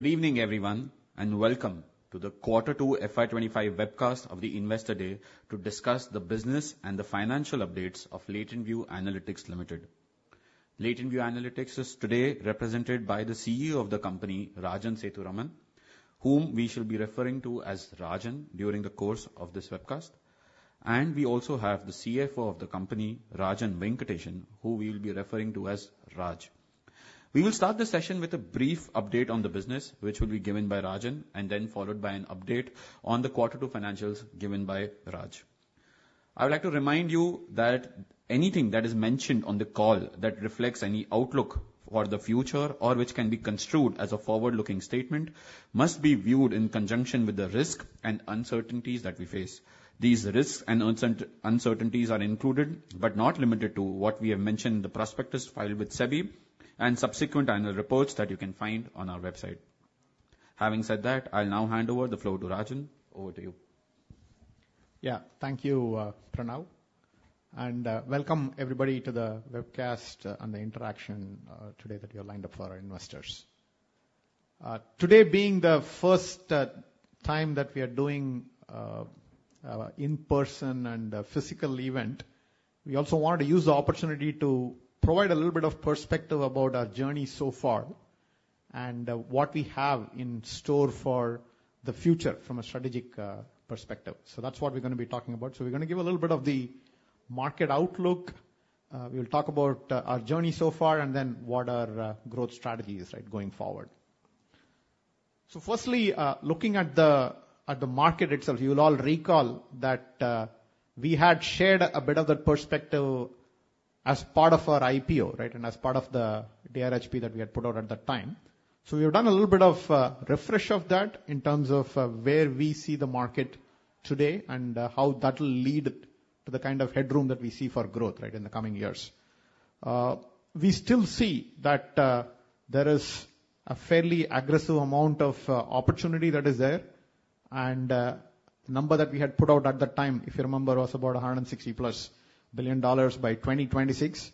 Good evening everyone and welcome to the Quarter 2 FY 2025 webcast of the Investor Day to discuss the business and the financial updates of LatentView Analytics Limited. LatentView Analytics is today represented by the CEO of the company, Rajan Sethuraman, whom we shall be referring to as Rajan during the course of this webcast, and we also have the CFO of the company, Rajan Venkatesan, who we will be referring to as Raj. We will start the session with a brief update on the business which will be given by Rajan and then followed by an update on the quarter two financials given by Raj. I would like to remind you that anything that is mentioned on the call that reflects any outlook for the future or which can be construed as a forward-looking statement must be viewed in conjunction with the risks and uncertainties that we face. These risks and uncertainties are included, but not limited to what we have mentioned in the prospectus filed with SEBI and subsequent annual reports that you can find on our website. Having said that, I'll now hand over the floor to Rajan. Over to you. Yeah. Thank you, Pranav, and welcome everybody to the webcast and the interaction today that you're lined up for our investors. Today being the first time that we are doing in-person and physical events, we also wanted to use the opportunity to provide a little bit of perspective about our journey so far and what we have in store for the future from a strategic perspective. So that's what we're going to be talking about. So we're going to give a little bit of the market outlook, we'll talk about our journey so far and then what our growth strategy is going forward. So firstly, looking at the market itself, you will all recall that we had shared a bit of that perspective as part of our IPO and as part of the DRHP that we had put out at that time. So we have done a little bit of refresh of that in terms of where we see the market today and how that will lead to the kind of headroom that we see for growth in the coming years. We still see that there is a fairly aggressive amount of opportunity that is there and the number that we had put out at that time, if you remember, was about $160 billion+ by 2026.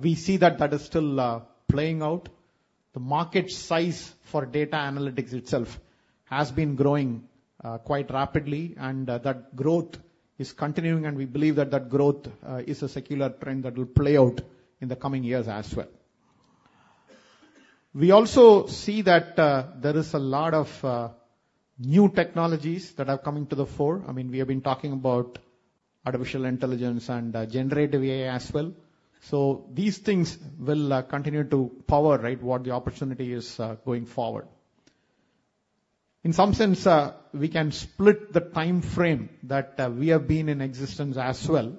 We see that that is still playing out. The market size for data analytics itself has been growing quite rapidly and that growth is continuing and we believe that that growth is a secular trend that will play out in the coming years as well. We also see that there is a lot of new technologies that are coming to the fore. I mean, we have been talking about artificial intelligence and generative AI as well. So these things will continue to power what the opportunity is going forward. In some sense we can split the time frame that we have been in existence as well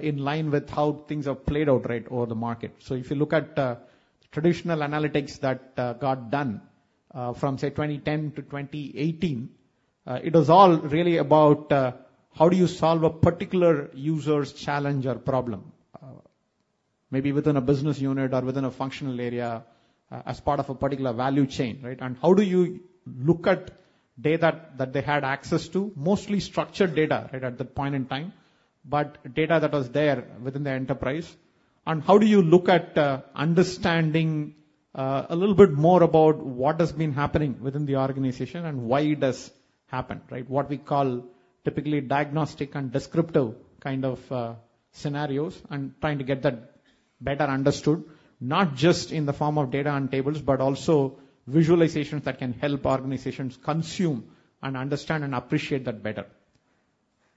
in line with how things have played out over the market. So if you look at traditional analytics that got done from say 2010 to 2018, it was all really about how do you solve a particular user's challenge or problem, maybe within a business unit or within a functional area as part of a particular value chain, and how do you look at data that they had access to, mostly structured data at that point in time, but data that was there within the enterprise. How do you look at understanding a little bit more about what has been happening within the organization and why it has happened? What we call typically diagnostic and descriptive kind of scenarios and trying to get that better understood, not just in the form of data and tables, but also visualizations that can help organizations consume and understand and appreciate that better.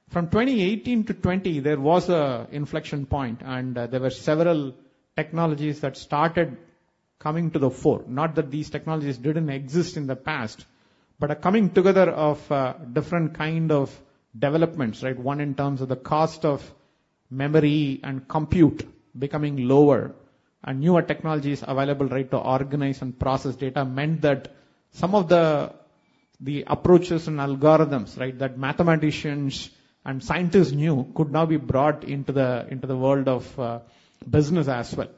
From 2018-2020 there was an inflection point and there were several technologies that started coming to the fore. Not that these technologies didn't exist in the past, but a coming together of different kind of developments, right? One, in terms of the cost of memory and compute becoming lower and newer technologies available to organize and process data meant that some of the approaches and algorithms, right, that mathematicians and scientists knew could now be brought into the world of business as well.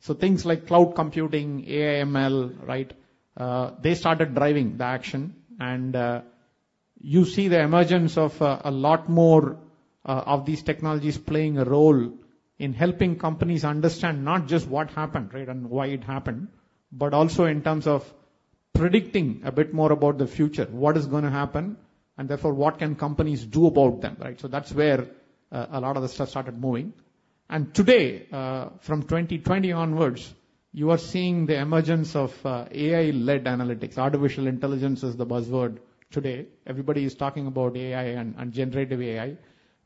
Things like cloud computing, AI/ML, right, they started driving the action. You see the emergence of a lot more of these technologies playing a role in helping companies understand not just what happened and why it happened, but also in terms of predicting a bit more about the future, what is going to happen and therefore what can companies do about them. That's where a lot of the stuff started moving. Today from 2020 onwards you are seeing the emergence of AI-led analytics. Artificial intelligence is the buzzword today. Everybody is talking about AI and generative AI,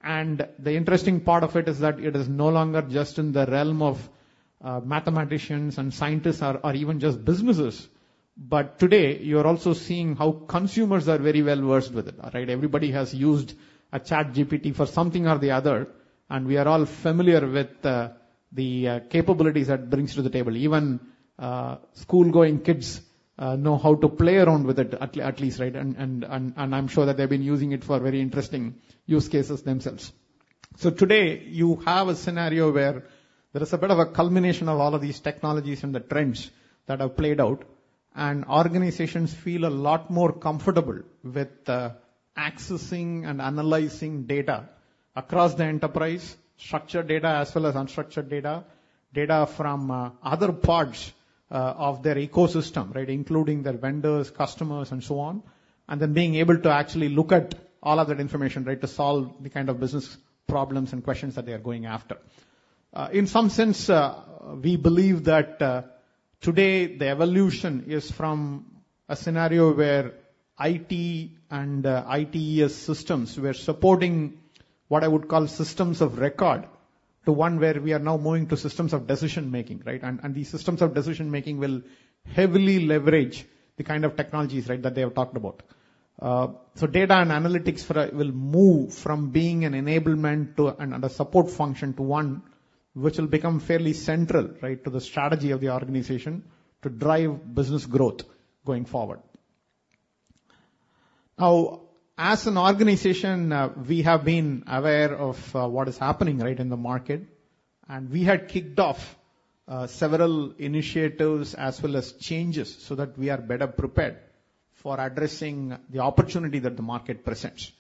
and the interesting part of it is that it is no longer just in the realm of mathematicians and scientists or even just businesses. Today you are also seeing how consumers are very well versed with it, right? Everybody has used ChatGPT for something or the other, and we are all familiar with the capabilities that it brings to the table. Even school-going kids know how to play around with it at least. Right? And I'm sure that they've been using it for very interesting use cases themselves. So today you have a scenario where there is a bit of a culmination of all of these technologies and the trends that have played out. And organizations feel a lot more comfortable with accessing and analyzing data across the enterprise, structured data as well as unstructured data, data from other parts of their ecosystem, including their vendors, customers, and so on, and then being able to actually look at all of that information to solve the kind of business problems and questions that they are going after. In some sense, we believe that today the evolution is from a scenario where IT and IT systems, we are supporting what I would call systems of record to one where we are now moving to systems of decision making. Right? And these systems of decision making will heavily leverage the kind of technologies that they have talked about. So data and analytics will move from being an enablement and a support function to one which will become fairly central to the strategy of the organization to drive business growth going forward. Now, as an organization, we have been aware of what is happening right in the market and we had kicked off several initiatives as well as changes so that we are better prepared for addressing the opportunity that the market presents.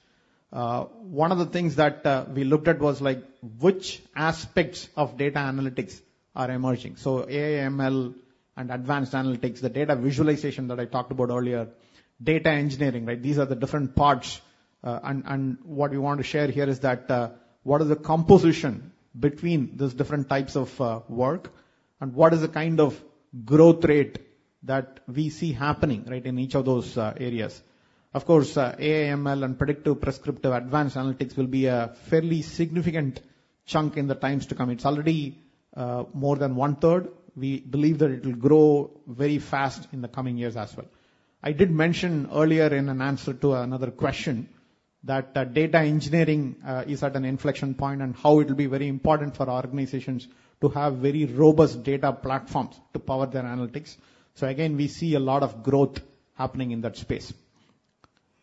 One of the things that we looked at was like, which aspects of data analytics are emerging? So AI/ML and advanced analytics, the data visualization that I talked about earlier, data engineering, these are the different parts. And what we want to share here is that what is the composition between these different types of work and what is the kind of growth rate that we see happening in each of those areas? Of course, AI/ML and predictive, prescriptive advanced analytics will be a fairly significant chunk in the times to come. It's already more than 1/3. We believe that it will grow very fast in the coming years as well. I did mention earlier in an answer to another question, that data engineering is at an inflection point and how it will be very important for organizations to have very robust data platforms to power their analytics. So again, we see a lot of growth happening in that space.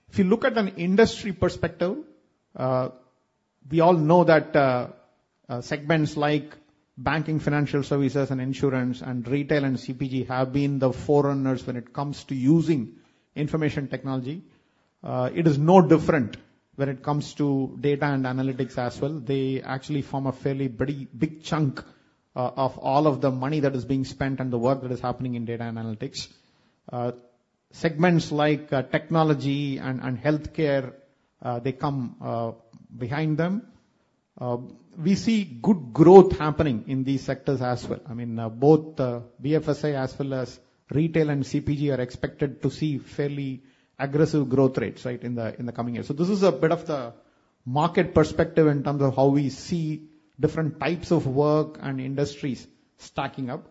If you look at an industry perspective, we all know that segments like banking, financial services and insurance and retail and CPG have been the forerunners when it comes to using information technology. It is no different when it comes to data and analytics as well. They actually form a fairly big chunk of all of the money that is being spent and the work that is happening in data analytics. Segments like technology and healthcare, they come behind them. We see good growth happening in these sectors as well. I mean, both because BFSI as well as retail and CPG are expected to see fairly aggressive growth rates right in the coming year. So this is a bit of the market perspective in terms of how we see different types of work and industries stacking up.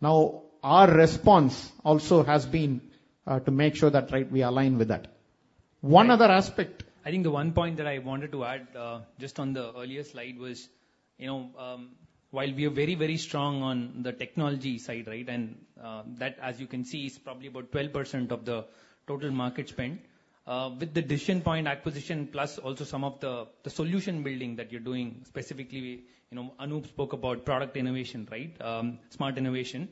Now our response also has been to make sure that we align with that one other aspect. I think the one point that I wanted to add just on the earlier slide was, you know, while we are very, very strong on the technology side, right, and that as you can see, is probably about 12% of the total market spend with the Decision Point acquisition, plus also some of the solution building that you're doing specifically. You know, Anup spoke about product innovation, right? Smart innovation.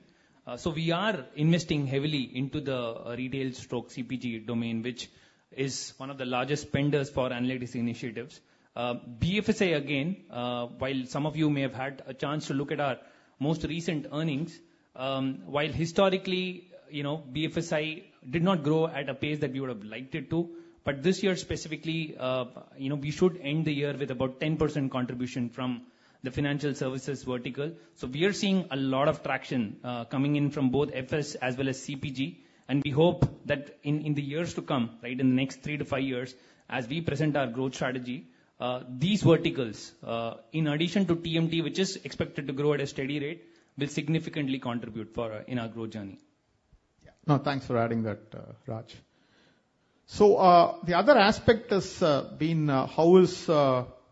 So we are investing heavily into the retail CPG domain, which is one of the largest spenders for analytics initiatives. BFSI. Again, while some of you may have had a chance to look at our most recent earnings, while historically BFSI did not grow at a pace that we would have liked it to, but this year specifically we should end the year with about 10% contribution from the financial services vertical. So we are seeing a lot of traction coming in from both FS as well as CPG. And we hope that in the years to come, in the next three to five years, as we present our growth strategy, these verticals, in addition to TMT, which is expected to grow at a steady rate, will significantly contribute in our growth journey. No, thanks for adding that, Raj. So the other aspect has been how is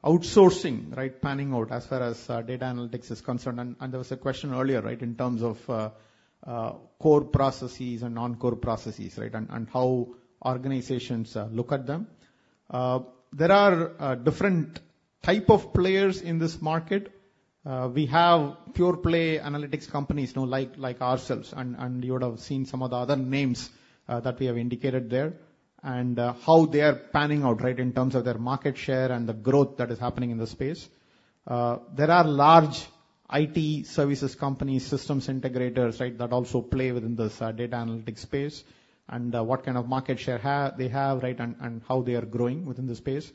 outsourcing panning out as far as data analytics is concerned? And there was a question earlier, right. In terms of core processes and non core processes and how organizations look at them. There are different type of players in this market. We have pure play analytics companies like ourselves. And you would have seen some of the other names that we have indicated there and how they are panning out in terms of their market share and the growth that is happening in the space. There are large IT services companies, systems integrators that also play within this data analytics space and what kind of market share they have. Right. And how they are growing within the space.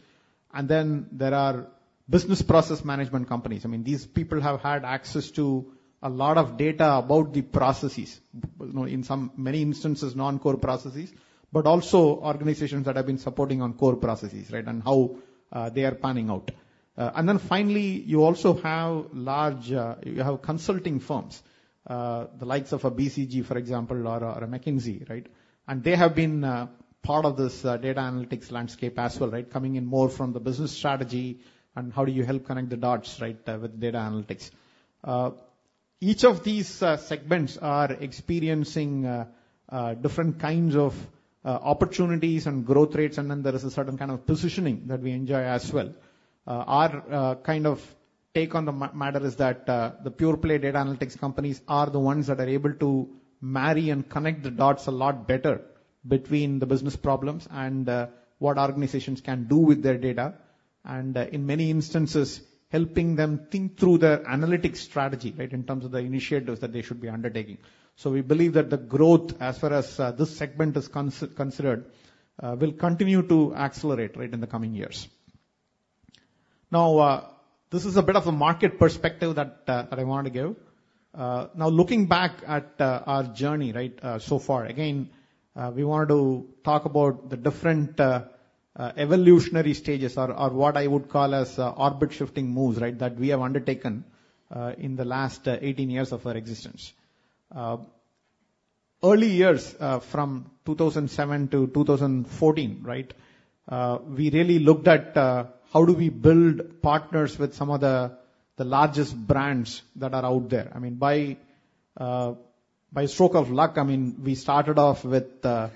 And then there are business process management companies. I mean these people have had access to a lot of data about the processes, in so many instances non-core processes, but also organizations that have been supporting core processes. Right. And how they are panning out. And then finally you also have large, you have consulting firms, the likes of a BCG for example, or a McKinsey. Right. And they have been part of this data analytics landscape as well. Right. Coming in more from the business strategy and how do you help connect the dots. Right. With data analytics. Each of these segments are experiencing different kinds of opportunities and growth rates. And then there is a certain kind of positioning that we enjoy as well. Our kind of take on the matter is that the pure play data analytics companies are the ones that are able to marry and connect the dots a lot better between the business problems and what organizations can do with their data, and in many instances helping them think through their analytics strategy in terms of the initiatives that they should be undertaking. So we believe that the growth as far as this segment is considered will continue to accelerate in the coming years. Now this is a bit of a market perspective that I wanted to give. Now looking back at our journey so far. Again, we wanted to talk about the different evolutionary stages or what I would call as orbit shifting moves that we have undertaken in the last 18 years of our existence. Early years from 2007 to 2014. Right. We really looked at how do we build partners with some of the largest brands that are out there. I mean by stroke of luck, I mean we started off with the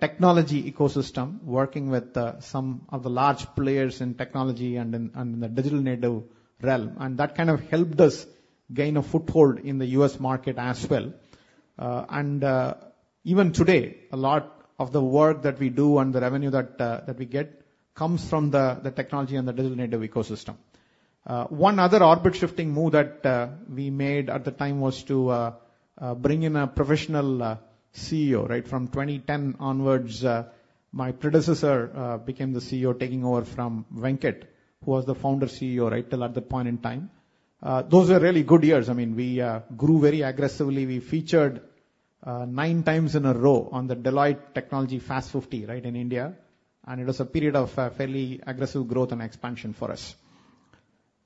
technology ecosystem, working with some of the large players in technology and the digital native realm. And that kind of helped us gain a foothold in the U.S. market as well. And even today, a lot of the work that we do and the revenue that we get comes from the technology and the digital native ecosystem. One other orbit shifting move that we made at the time was to bring in a professional CEO. Right from 2010 onwards, my predecessor became the CEO, taking over from Venkat who was the founder CEO right till at that point in time. Those are really good years. I mean we grew very aggressively. We featured nine times in a row on the Deloitte Technology Fast 50 in India. And it was a period of fairly aggressive growth and expansion for us.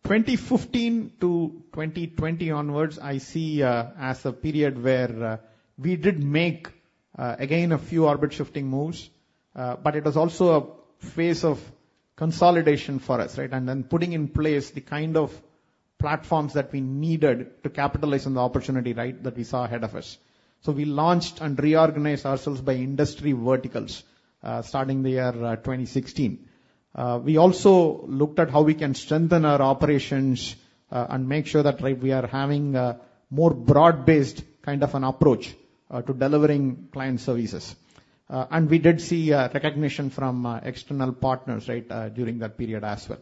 2015 to 2020 onwards, I see as a period where we did make again a few orbit shifting moves, but it was also a phase of consolidation for us and then putting in place the kind of platforms that we needed to capitalize on the opportunity that we saw ahead of us. So we launched and reorganized ourselves by industry verticals starting the year 2016. We also looked at how we can strengthen our operations and make sure that we are having more broad based kind of an approach to delivering client services. And we did see recognition from external partners during that period as well.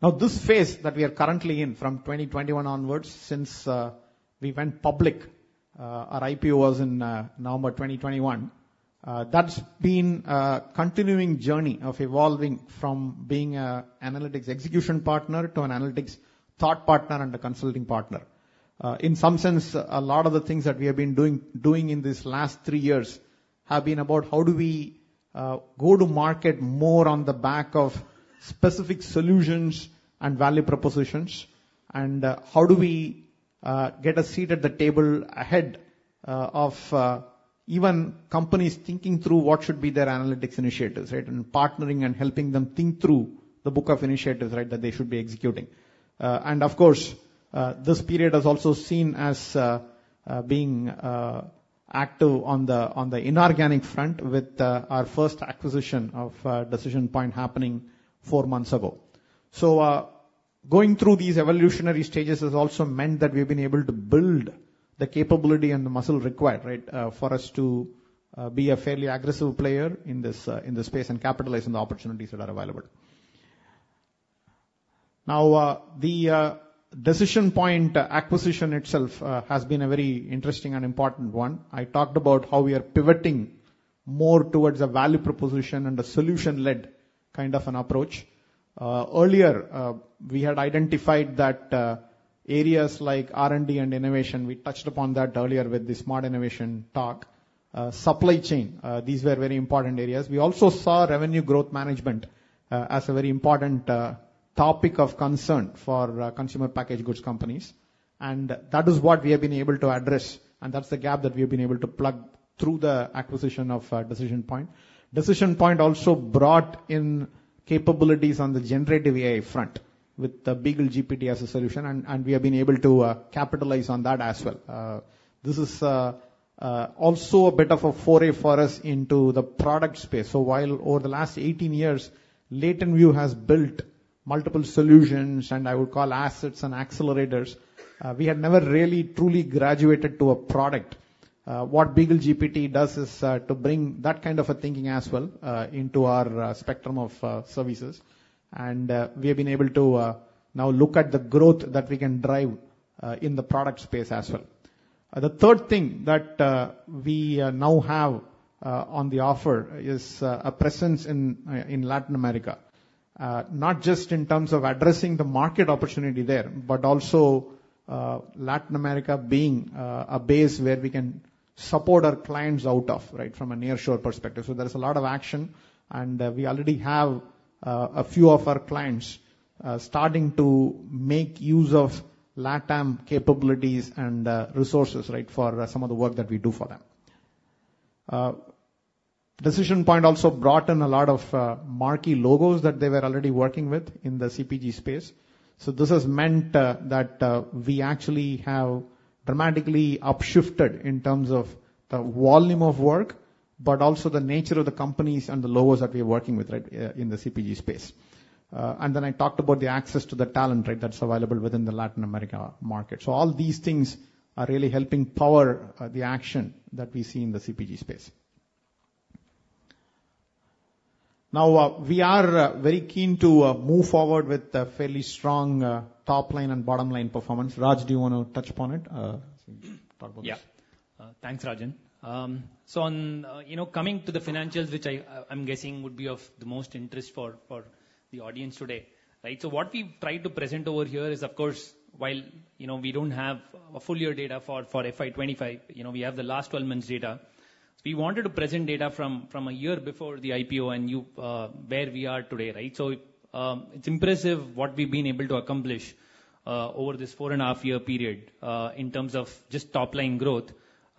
Now this phase that we are currently in, from 2021 onwards, since we went public, our IPO was in November 2021. That's been a continuing journey of evolving from being an analytics execution partner to an analytics thought partner and a consulting partner in some sense. A lot of the things that we have been doing in these last three years have been about how do we go to market more on the back of specific solutions and value propositions and how do we get a seat at the table ahead of even companies thinking through what should be their analytics initiatives and partnering and helping them think through the book of initiatives that they should be executing. And of course, this period is also seen as being active on the inorganic front, with our first acquisition of Decision Point happening four months ago. Going through these evolutionary stages has also meant that we've been able to build the capability and the muscle required right for us to be a fairly aggressive player in this space and capitalize on the opportunities that are available now. The Decision Point acquisition itself has been a very interesting and important one. I talked about how we are pivoting more towards a value proposition and a solution led kind of an approach. Earlier we had identified that areas like R&D and innovation. We touched upon that earlier with the smart innovation talk supply chain. These were very important areas. We also saw revenue growth management as a very important topic of concern for consumer packaged goods companies. And that is what we have been able to address, and that's the gap that we've been able to plug through the acquisition of Decision Point. Decision Point also brought in capabilities on the generative AI front with the BeagleGPT as a solution, and we have been able to capitalize on that as well. This is also a bit of a foray for us into the product space. So while over the last 18 years LatentView has built multiple solutions and I would call assets and accelerators, we had never really truly graduated to a product. What BeagleGPT does is to bring that kind of a thinking as well into our spectrum of services. And we have been able to now look at the growth that we can drive in the product space as well. The third thing that we now have on the offer is a presence in Latin America, not just in terms of addressing the market opportunity there, but also Latin America being a base where we can support our clients out of from a nearshore perspective. So there's a lot of action and we already have a few of our clients starting to make use of LatAm capabilities and resources right for some of the work that we do for them. Decision Point also brought in a lot of marquee logos that they were already working with in the CPG space. So this has meant that we actually have dramatically upshifted in terms of the volume of work, but also the nature of the companies and the logos that we are working with. Right. In the CPG space. And then I talked about the access to the talent. Right. That's available within the Latin America market. So all these things are really helping power the action that we see in the CPG space. Now we are very keen to move forward with fairly strong top line and bottom line performance. Raj, do you want to touch upon it? Yeah, thanks, Rajan. Coming to the financials, which I'm guessing would be of the most interest for the audience today. What we tried to present over here is of course, while we don't have a full year data for FY 2025, you know, we have the last 12 months data. We wanted to present data from a year before the IPO and where we are today. Right. It's impressive what we've been able to accomplish over this four and a half year period in terms of just top line growth,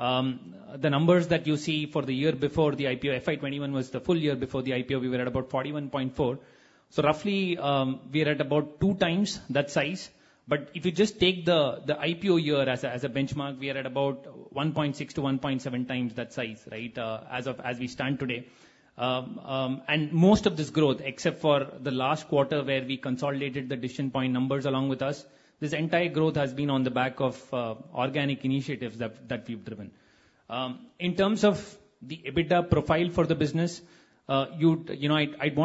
the numbers that you see for the year before the IPO. FY 2021 was the full year before the IPO; we were at about 41.4. So roughly we're at about 2x that size. But if you just take the IPO year as a benchmark, we are at about 1.6x-1.7x that size. Right. As we stand today. Most of this growth, except for the last quarter where we consolidated the Decision Point numbers along with us, this entire growth has been on the back of organic initiatives that we've driven. In terms of the EBITDA profile for the business, I want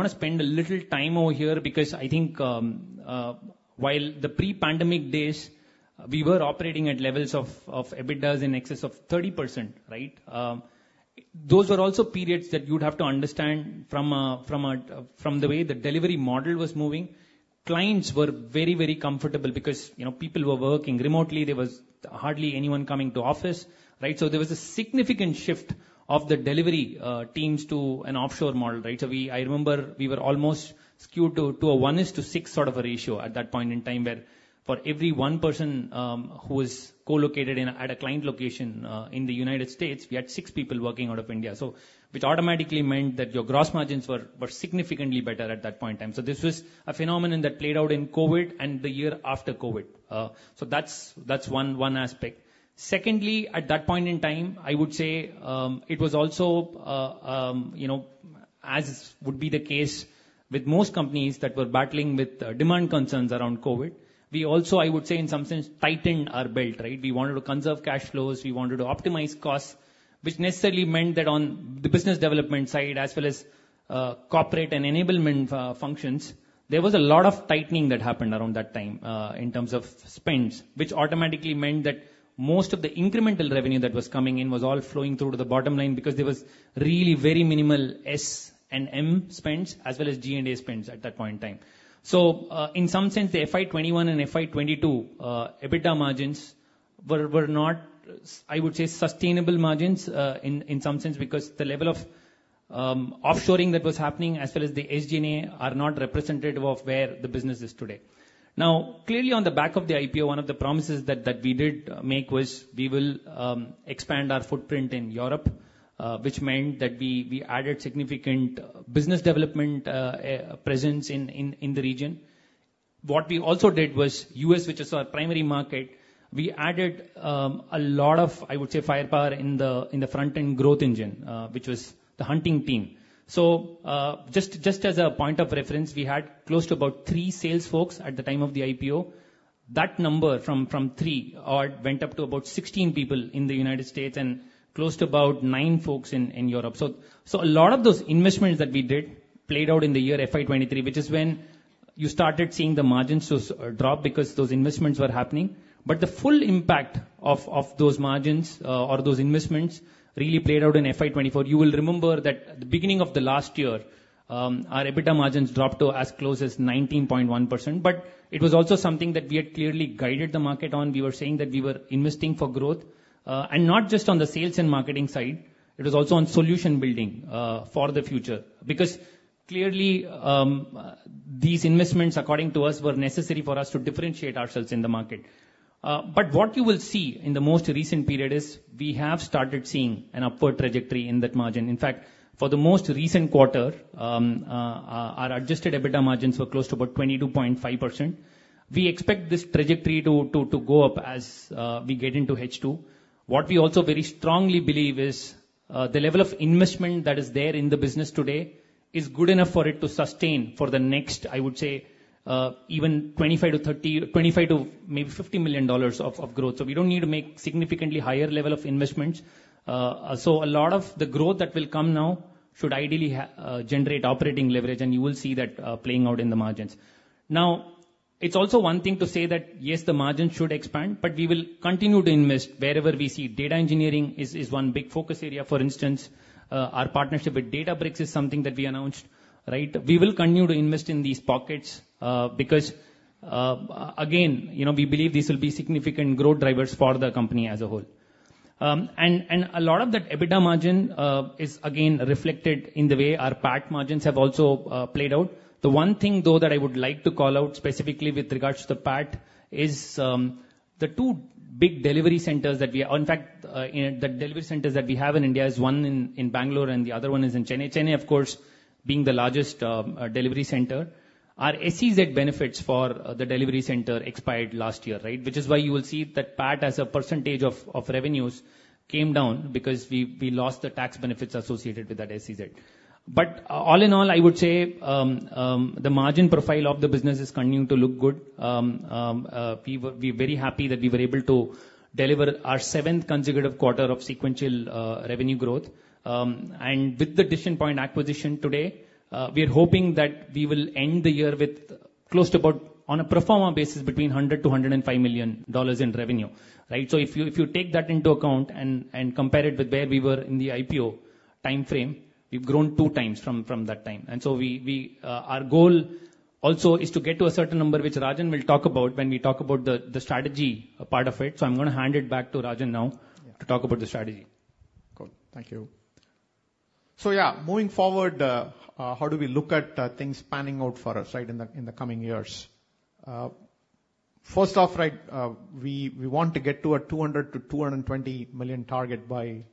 to spend a little time over here because I think while the pre-pandemic days we were operating at levels of EBITDAs in excess of 30%. Right. Those were also periods that you'd have to understand from the way the delivery model was moving. Clients were very, very comfortable because people were working remotely. There was hardly anyone coming to office. So there was a significant shift of the delivery teams to an offshore model. I remember we were almost skewed to a one is to six sort of a ratio at that point in time. Where for every one person who is co-located at a client location in the United States, we had six people working out of India. So which automatically meant that your gross margins were significantly better at that point in time. So this was a phenomenon that played out in COVID and the year after COVID. So that's one aspect. Secondly, at that point in time I would say it was also, as would be the case with most companies that were battling with demand concerns around COVID, we also, I would say, in some sense, tightened our belt, right? We wanted to conserve cash flows. We wanted to optimize costs, which necessarily meant that on the business development side, as well as corporate and enablement functions, there was a lot of tightening that happened around that time in terms of spends, which automatically meant that most of the incremental revenue that was coming in was all flowing through to the bottom line, because there was really very minimal S&M spends as well as G&A spends at that point in time. So in some sense, the FY 2021 and FY 2022 EBITDA margins were not, I would say, sustainable margins in some sense, because the level of offshoring that was happening as well as the SG&A are not representative of where the business is today. Now, clearly on the back of the IPO, one of the promises that we did make was we will expand our footprint in Europe, which meant that we added significant business development presence in the region. What we also did was U.S., which is our primary market. We added a lot of, I would say, firepower in the front end growth engine, which was the hunting team. Just as a point of reference, we had close to about three sales folks at the time of the IPO. That number from three went up to about 16 people in the United States and close to about nine folks in Europe. A lot of those investments that we did played out in the year FY 2023, which is when you started seeing the margins drop because those investments were happening. But the full impact of those margins or those investments really played out in FY 2024. You will remember that the beginning of the last year, our EBITDA margins dropped to as close as 19.1%. But it was also something that we had clearly guided the market on. We were saying that we were investing for growth and not just on the sales and marketing side. It was also on solution building for the future. Because clearly these investments, according to us, were necessary for us to differentiate ourselves in the market. But what you will see in the most recent period is we have started seeing an upward trajectory in that margin. In fact, for the most recent quarter, our adjusted EBITDA margins were close to about 22.5%. We expect this trajectory to go up as we get into H2. What we also very strongly believe is the level of investment that is there in the business today is good enough for it to sustain for the next, I would say even 25-30, 25 to maybe $50 million of growth, so we don't need to make significantly higher level of investments. So a lot of the growth that will come now should ideally generate operating leverage. And you will see that playing out in the margins. Now, it's also one thing to say that, yes, the margin should expand, but we will continue to invest wherever we see data engineering is one big focus area. For instance, our partnership with Databricks is something that we announced. We will continue to invest in these pockets because again, we believe this will be significant growth drivers for the company as a whole. And a lot of that EBITDA margin is again, reflected in, in the way our PAT margins have also played out. The one thing, though, that I would like to call out specifically with regards to the PAT is the two big delivery centers. In fact, the delivery centers that we have in India is one in Bangalore and the other one is in Chennai. Chennai, of course, being the largest delivery center. Our SEZ benefits for the delivery center expired last year. Right. Which is why you will see that PAT as a percentage of revenues came down because we lost the tax benefits associated with that SEZ. But all in all, I would say the margin profile of the business is continuing to look good. We're very happy that we were able to deliver our seventh consecutive quarter of sequential revenue growth. And with the Decision Point acquisition today, we are hoping that we will end the year with close to about, on a pro forma basis, between $100 million and $105 million in revenue. So if you take that into account and compare it with where we were in the IPO time frame, we've grown two times from that time. And so our goal also is to get to a certain number which Rajan will talk about when we talk about the strategy part of it. I'm going to hand it back to Rajan now to talk about the strategy. Cool. Thank you. So, yeah, moving forward, how do we look at things panning out for us in the coming years? First off, right, we want to get to a $200 million-$220 million target by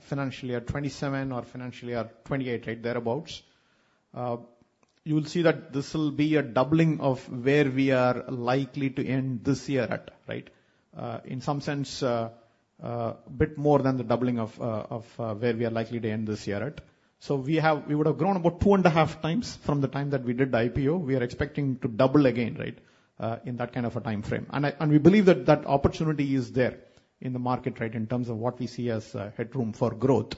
financial year 2027 or financial year 2028. Right. Thereabouts, you will see that this will be a doubling of where we are likely to end this year at. Right. In some sense, bit more than the doubling of where we are likely to end this year at. So we would have grown about 2.5x from the time that we did the IPO. We are expecting to double again, right. In that kind of a time frame. And we believe that that opportunity is there in the market. Right. In terms of what we see as headroom for growth.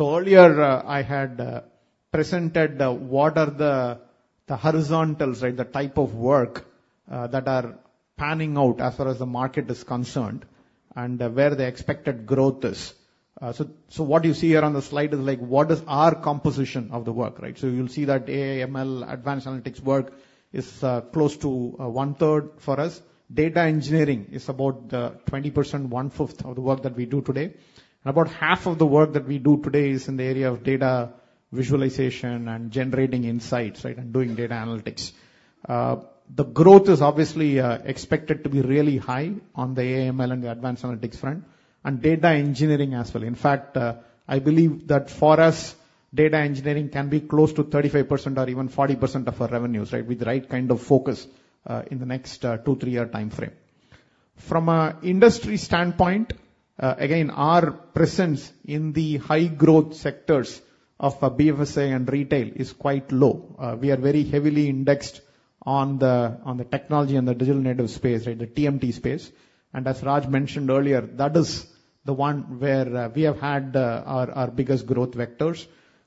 Earlier I had presented what are the horizontals, the type of work that are panning out as far as the market is concerned and where the expected growth is. What you see here on the slide is like what is our composition of the work. You'll see that AI/ML advanced analytics work is close to 1/3. For us, data engineering is about 20%, 1/5 of the work that we do today. About half of the work that we do today is in the area of data visualization and generating insights and doing data analytics. The growth is obviously expected to be really high on the AI/ML and the advanced analytics front and data engineering as well. In fact, I believe that for us, data engineering can be close to 35% or even 40% of our revenues with the right kind of focus in the next two, three year time frame. From an industry standpoint, again, our presence in the high growth sectors of BFSI and retail is quite low. We are very heavily indexed on the technology and the digital native space, the TMT space. And as Raj mentioned earlier, that is the one where we have had our biggest growth vectors.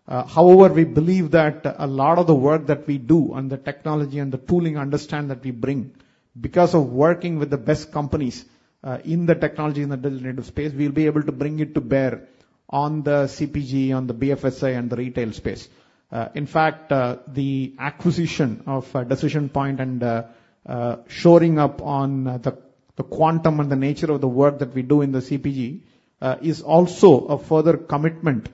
However, we believe that a lot of the work that we do on the technology and the tooling and the understanding that we bring because of working with the best companies in the technology in the digital native space, we'll be able to bring it to bear on the CPG, on the BFSI and the retail space. In fact, the acquisition of Decision Point and shoring up on the quantum and the nature of the work that we do in the CPG is also a further commitment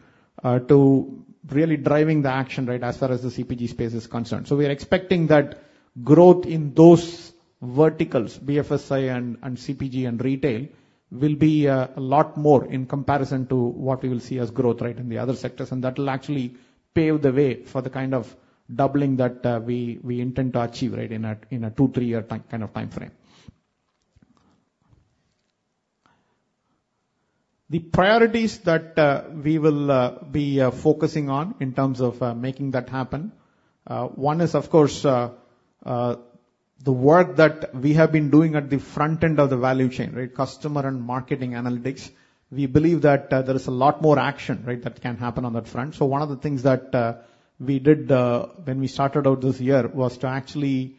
to really driving the action right as far as the CPG space is concerned. So we are expecting that growth in those verticals, BFSI and CPG and retail, will be a lot more in comparison to what we will see as growth rate in the other sectors. And that will actually pave the way for the kind of doubling that we intend to achieve in a two, three year kind of time frame. The priorities that we will be focusing on in terms of making that happen, one is of course the work that we have been doing at the front end of the value chain, customer and marketing analytics. We believe that there is a lot more action that can happen on that front. So one of the things that we did when we started out this year was to actually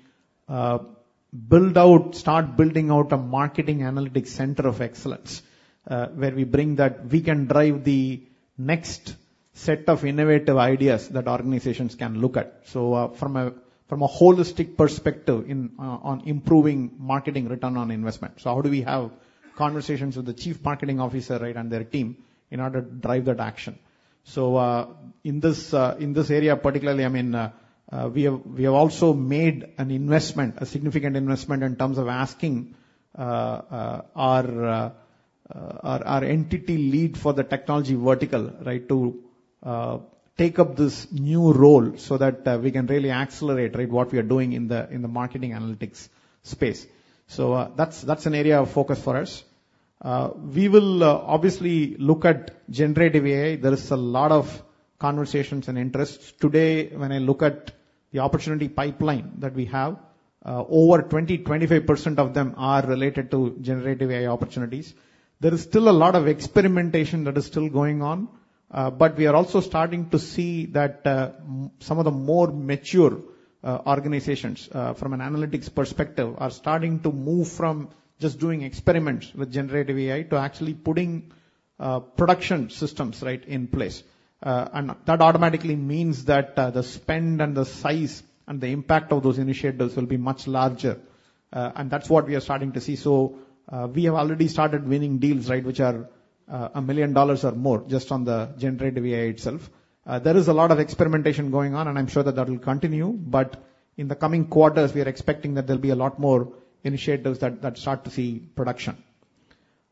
build out, start building out a marketing analytics center of excellence where we bring that we can drive the next set of innovative ideas that organizations can look at. So from a holistic perspective on improving marketing return on investment. So how do we have conversations with the Chief Marketing Officer and their team in order to drive that action? So in this area particularly, I mean we have also made an investment, a significant investment in terms of asking our industry lead for the technology vertical to take up this new role so that we can really accelerate what we are doing in the marketing analytics space. So that's an area of focus for us. We will obviously look at generative AI. There is a lot of conversations and interests today. When I look at the opportunity pipeline that we have, over 20%-25% of them are related to generative AI opportunities. There is still a lot of experimentation that is still going on, but we are also starting to see that some of the more mature organizations from an analytics perspective are starting to move from just doing experiments with generative AI to actually putting production systems right in place, and that automatically means that the spend and the size and the impact of those initiatives will be much larger, and that's what we are starting to see, so we have already started winning deals which are $1 million or more just on the generative AI itself. There is a lot of experimentation going on and I'm sure that that will continue. But in the coming quarters we are expecting that there'll be a lot more initiatives that start to see production.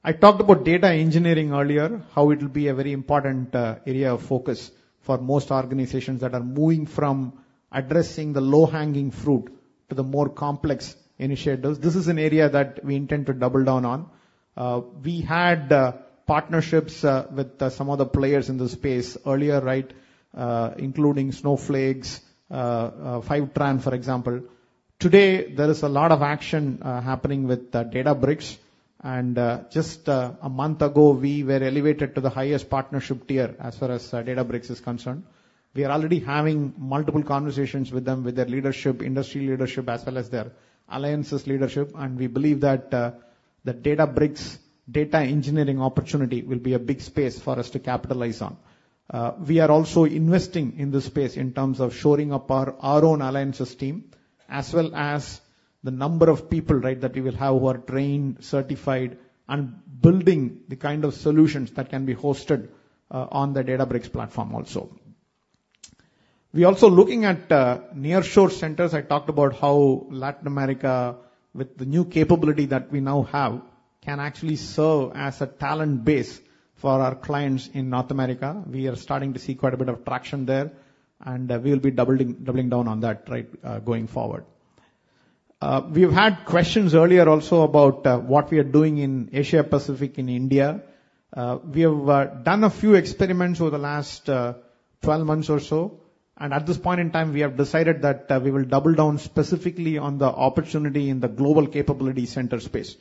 I talked about data engineering earlier, how it will be a very important area of focus for most organizations that are moving from addressing the low-hanging fruit to the more complex initiatives. This is an area that we intend to double down on. We had partnerships with some of the players in the space earlier, right, including Snowflake, Fivetran for example. Today there is a lot of action happening with Databricks and just a month ago we were elevated to the highest partnership tier as far as Databricks is concerned. We are already having multiple conversations with them with their leadership, industry leadership, as well as their alliances leadership. And we believe that the Databricks data engineering opportunity will be a big space for us to capitalize on. We are also investing in this space in terms of shoring up our own alliances team as well as the number of people that we will have who are trained, certified and building the kind of solutions that can be hosted on the Databricks platform. Also we also looking at nearshore centers. I talked about how Latin America, with the new capability that we now have, can actually serve as a talent base for our clients in North America. We are starting to see quite a bit of traction there and we will be doubling down on that going forward. We've had questions earlier also about what we are doing in Asia Pacific, in India. We have done a few experiments over the last 12 months or so, and at this point in time, we have decided that we will double down specifically on the opportunity. In the Global Capability Center space,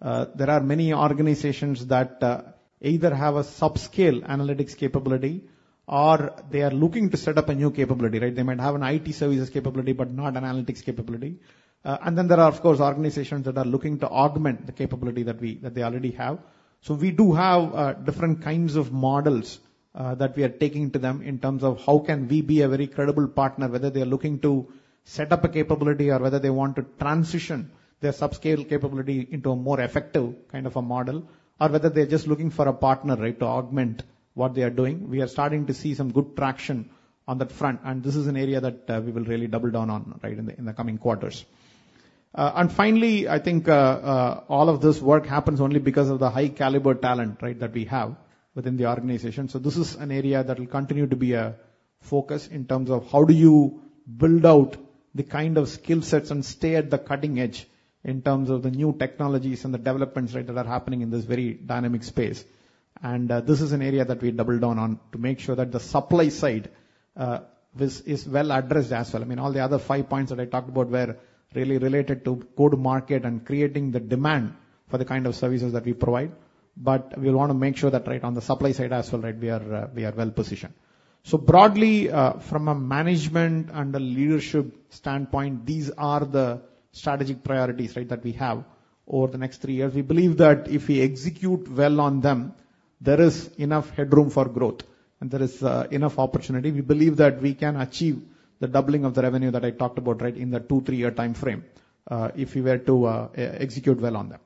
there are many organizations that either have a subscale analytics capability or they are looking to set up a new capability. They might have an IT services capability, but not analytics capability. And then there are of course organizations that are looking to augment the capability that they already have. So we do have different kinds of models that we are taking to them in terms of how can we be a very credible partner, whether they are looking to set up a capability, or whether they want to transition their subscale capability into a more effective kind of a model, or whether they're just looking for a partner to augment what they are doing. We are starting to see some good traction on that front. And this is an area that we will really double down on in the coming quarters. And finally, I think all of this work happens only because of the high caliber talent that we have within the organization. So this is an area that will continue to be a focus in terms of how do you build out the kind of skill sets and stay at the cutting edge in terms of the new technologies and the developments that are happening in this very dynamic space. And this is an area that we doubled down on to make sure that the supply side is well addressed as well. I mean, all the other five points that I talked about were really related to good market and creating the demand for the kind of services that we provide. But we want to make sure that right on the supply side as well, we are well positioned. So broadly from a management and a leadership standpoint, these are the strategic priorities that we have over the next three years. We believe that if we execute well on them, there is enough headroom for growth and there is enough opportunity. We believe that we can achieve the doubling of the revenue that I talked about right in the two, three year time frame if we were to execute well on them.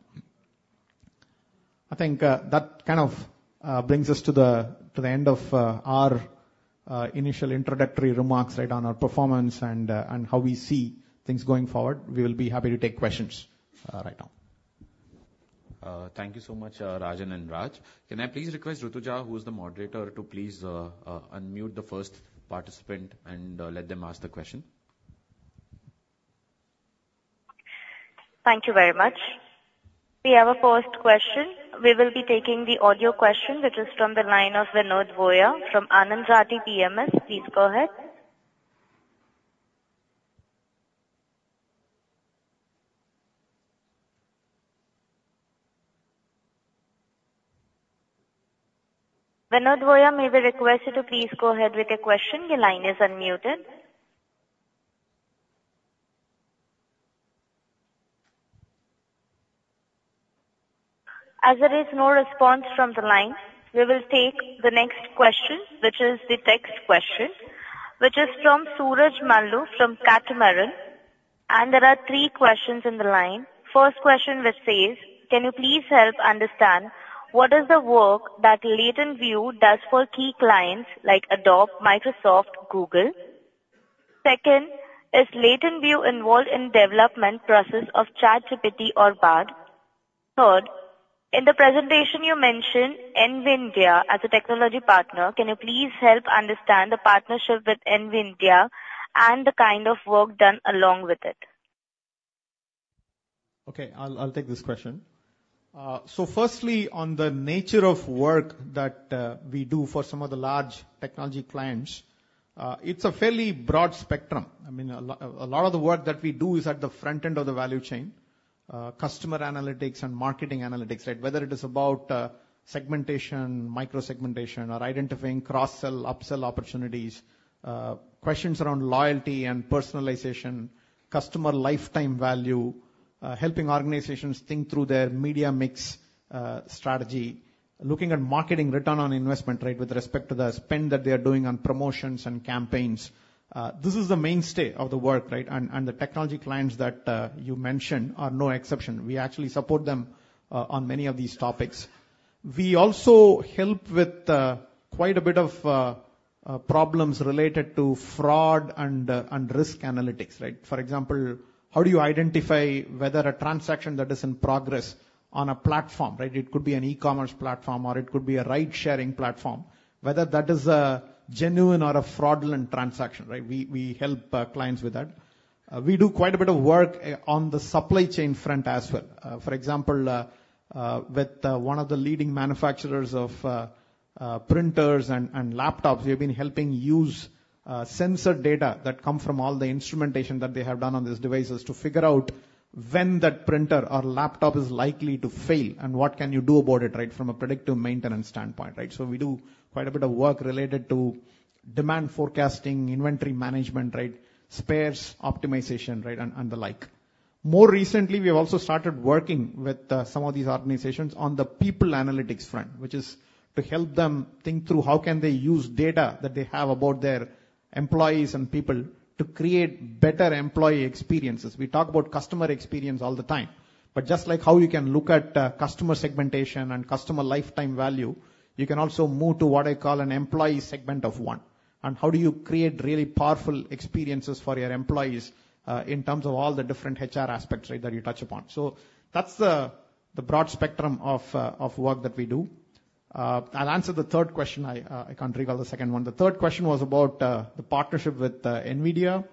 I think that kind of brings us to the end of our initial introductory remarks, right on our performance and how we see things going forward. We will be happy to take questions right now. Thank you so much. Rajan and Raj. Can I please request Rutuja, who is the moderator, to please unmute the first participant and let them ask the question? Thank you very much. We have a first question. We will be taking the audio question, which is from the line of Vinod Vaya from Anand Rathi PMS. Please go ahead. Vinod Vaya may be requested to please go ahead with your question. The line is unmuted. As there is no response from the line, we will take the next question, which is the text question, which is from Suraj Malu from Catamaran, and there are three questions in the line. First question, which says, can you please help understand what is the work that LatentView does for key clients like Adobe, Microsoft, Google? Second, is LatentView involved in development process of ChatGPT or Bard? Third, in the presentation you mentioned NVIDIA as a technology partner, can you please help understand the partnership with NVIDIA and the kind of work done along with it? Okay, I'll take this question. So firstly, on the nature of work that we do for some of the large technology clients, it's a fairly broad spectrum. I mean a lot of the work that we do is at the front end of the value chain, customer analytics and marketing analytics, right? Whether it is about segmentation, micro segmentation or identifying cross sell upsell opportunities, questions around loyalty and personalization, customer lifetime value, helping organizations think through their media mix strategy, looking at marketing return on investment with respect to the spend that they are doing on promotions and campaigns. This is the mainstay of the work, right? And the technology clients that you mentioned are no exception. We actually support them on many of these topics. We also help with quite a bit of problems related to fraud and risk analytics, right? For example, how do you identify whether a transaction that is in progress on a platform, it could be an e-commerce platform or it could be a ride-sharing platform, whether that is a genuine or a fraudulent transaction? We help clients with that. We do quite a bit of work on the supply chain front as well. For example, with one of the leading manufacturers of printers and laptops, we have been helping use sensor data that come from all the instrumentation that they have done on these devices to figure out when that printer or laptop is likely to fail and what can you do about it from a predictive maintenance standpoint. So we do quite a bit of work related to demand forecasting, inventory management, spares optimization and the like. More recently we have also started working with some of these organizations on the people analytics front which is to help them think through how can they use data that they have about their employees and people to create better employee experiences. We talk about customer experience all the time. But just like how you can look at customer segmentation and customer lifetime value, you can also move to what I call an employee segment of one. And how do you create really powerful experiences for your employees in terms of all the different HR aspects that you touch upon. So that's the broad spectrum of work that we do. I'll answer the third question. I can't recall the second one. The third question was about the partnership with NVIDIA.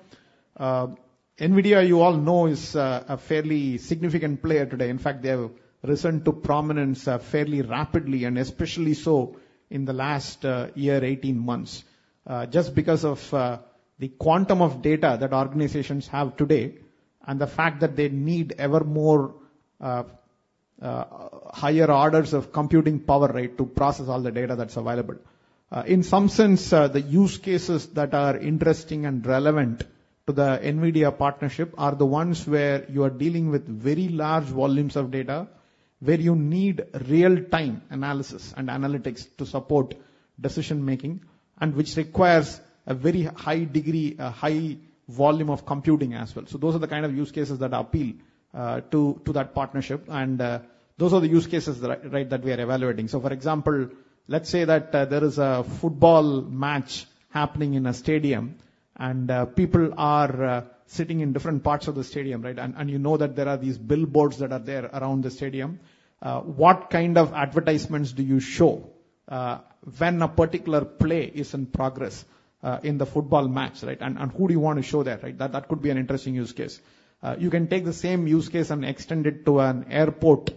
NVIDIA, you all know, is a fairly significant player today. In fact, they have risen to prominence fairly rapidly and especially so in the last year, 18 months, just because of the quantum of data that organizations have today and the fact that they need ever more higher orders of computing power to process all the data that's available. In some sense, the use cases that are interesting and relevant to the NVIDIA partnership are the ones where you are dealing with very large volumes of data, where you need real time analysis and analytics to support decision making, and which requires a very high degree, a high volume of computing as well. So those are the kind of use cases that appeal to that partnership, and those are the use cases that we are evaluating. So, for example, let's say that there is a football match happening in a stadium and people are sitting in different parts of the stadium and you know that there are these billboards that are there around the stadium. What kind of advertisements do you show when a particular play is in progress in the football match? And who do you want to show that? That could be an interesting use case. You can take the same use case and extend it to an airport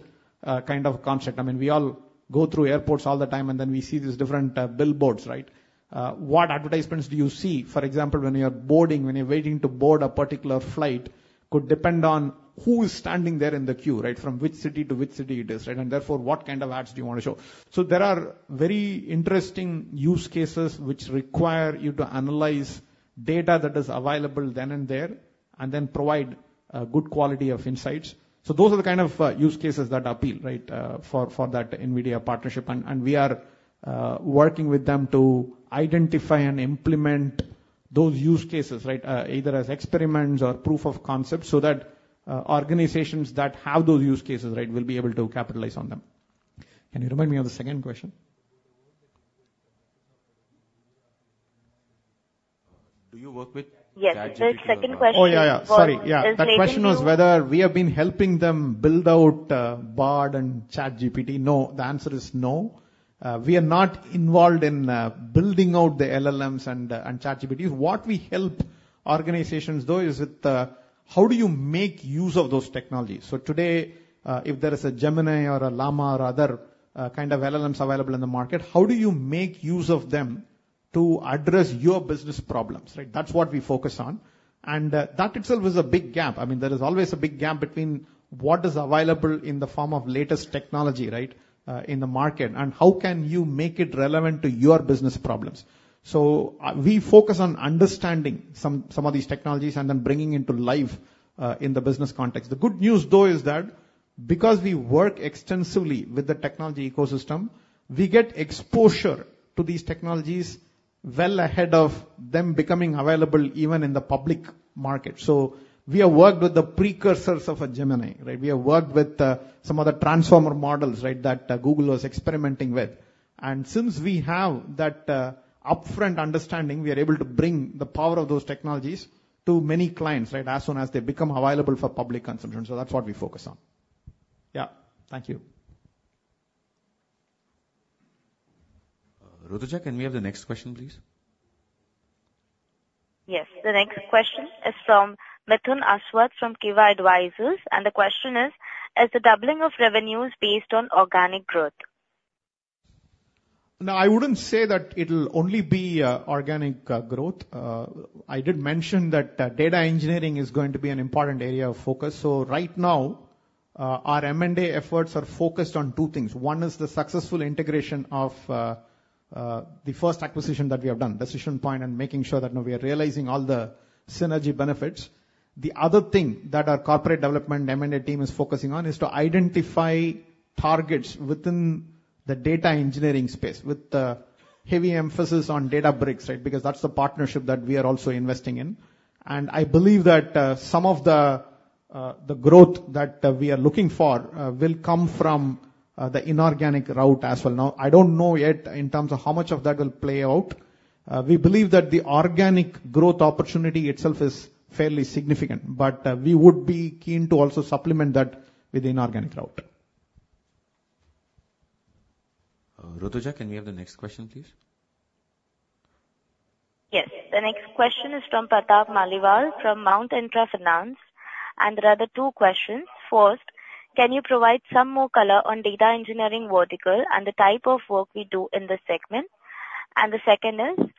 kind of concept. I mean, we all go through airports all the time and then we see these different billboards, right? What advertisements do you see, for example, when you're boarding, when you're waiting to board a particular flight? Could depend on who is standing there in the queue, right, from which city to which city it is, and therefore, what kind of ads do you want to show? So there are very interesting use cases which require you to analyze data that is available then and there and then provide good quality of insights. So those are the kind of use cases that appeal, right, for that NVIDIA partnership. And we are working with them to identify and implement those use cases, right. Either as experiments or proof of concept, so that organizations that have those use cases, right, will be able to capitalize on them. Can you remind me of the second question? Do you work with? Yes, the second question. Oh, yeah, yeah, sorry, yeah. The question was whether we have been helping them build out Bard and ChatGPT. No, the answer is no, we are not involved in building out the LLMs and ChatGPT. What we help organizations though is how do you make use of those technologies, so today, if there is a Gemini or a Llama or other kind of LLMs available in the market, how do you make use of them to address your business problems? That's what we focus on, and that itself is a big gap. I mean, there is always a big gap between what is available in the form of latest technology right in the market and how can you make it relevant to your business problems, so we focus on understanding some of these technologies and then bringing into life in the business context. The good news though is that because we work extensively with the technology ecosystem, we get exposure to these technologies well ahead of them becoming available even in the public market. So we have worked with the precursors of a Gemini, right? We have worked with some, some other transformer models that Google was experimenting with. And since we have that upfront understanding, we are able to bring the power of those technologies to many clients right, as soon as they become available for public consumption. So that's what we focus on. Yeah. Thank you. Rutuja, can we have the next question please? Yes, the next question is from Mithun Aswath from Kivah Advisors. And the question is, is the doubling of revenues based on organic? Now, I wouldn't say that it'll only be organic growth. I did mention that data engineering is going to be an important area of focus. So right now our M&A efforts are focused on two things. One is the successful integration of the first acquisition that we have done, Decision Point, and making sure that we are realizing all the synergy benefits. The other thing that our corporate development M&A team is focusing on is to identify targets within the data engineering space with heavy emphasis on Databricks because that's the partnership that we are also investing in. And I believe that some of the growth that we are looking for will come from the inorganic route as well. Now, I don't know yet in terms of how much of that will play out. We believe that the organic growth opportunity itself is fairly significant, but we would be keen to also supplement that with the inorganic route. Rutuja, can we have the next question please? Yes, the next question is from Pratap Maliwal from Mount Intra Finance. And there are the two questions. First, can you provide some more color on data engineering vertical and the type of work we do in the segment? And the second is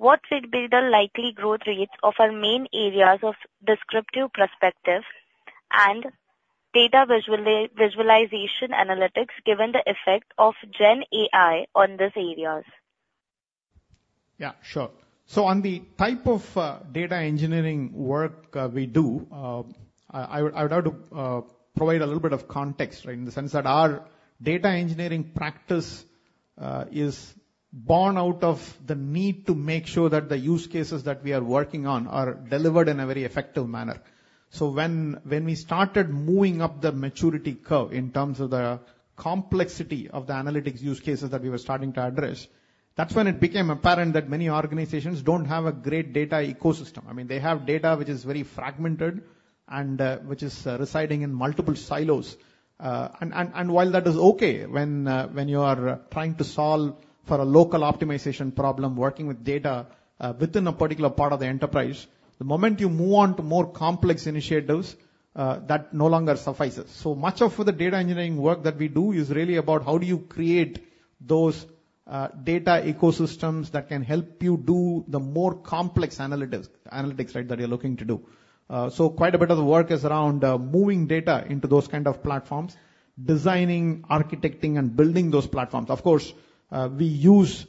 what will be the likely growth rates of our main areas of the descriptive prescriptive and data visualization analytics given the effect of GenAI on this areas? Yeah, sure. So on the type of data engineering work we do, I would have to provide a little bit of context in the sense that our data engineering practice is born out of the need to make sure that the use cases that we are working on are delivered in a very effective manner. So when we started moving up the maturity curve in terms of the complexity of the analytics use cases that we were starting to address, that's when it became apparent that many organizations don't have a great data ecosystem. I mean, they have data which is very fragmented and which is residing in multiple silos. And while that is okay when you are trying to solve for a local optimization problem, working with data within a particular part of the enterprise, the moment you move on to more complex initiatives that no longer suffices. So much of the data engineering work that we do is really about how do you create those data ecosystems that can help you do the more complex analytics that you're looking to do. So quite a bit of the work is around moving data into those kind of platforms, designing, architecting and building those platforms. Of course, we use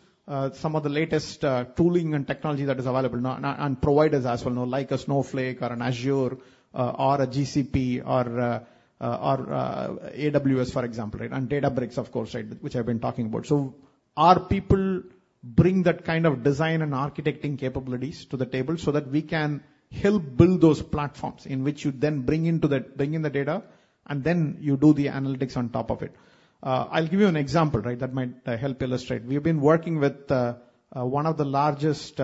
some of the latest tooling and technology that is available, and providers as well, like a Snowflake or an Azure or a GCP or AWS, for example, and Databricks of course, which I've been talking about. So our people bring that kind of design and architecting capabilities to the table so that we can help build those platforms in which you then bring in the data and then you do the analytics on top of it. I'll give you an example, right. That might help illustrate. We've been working with one of the largest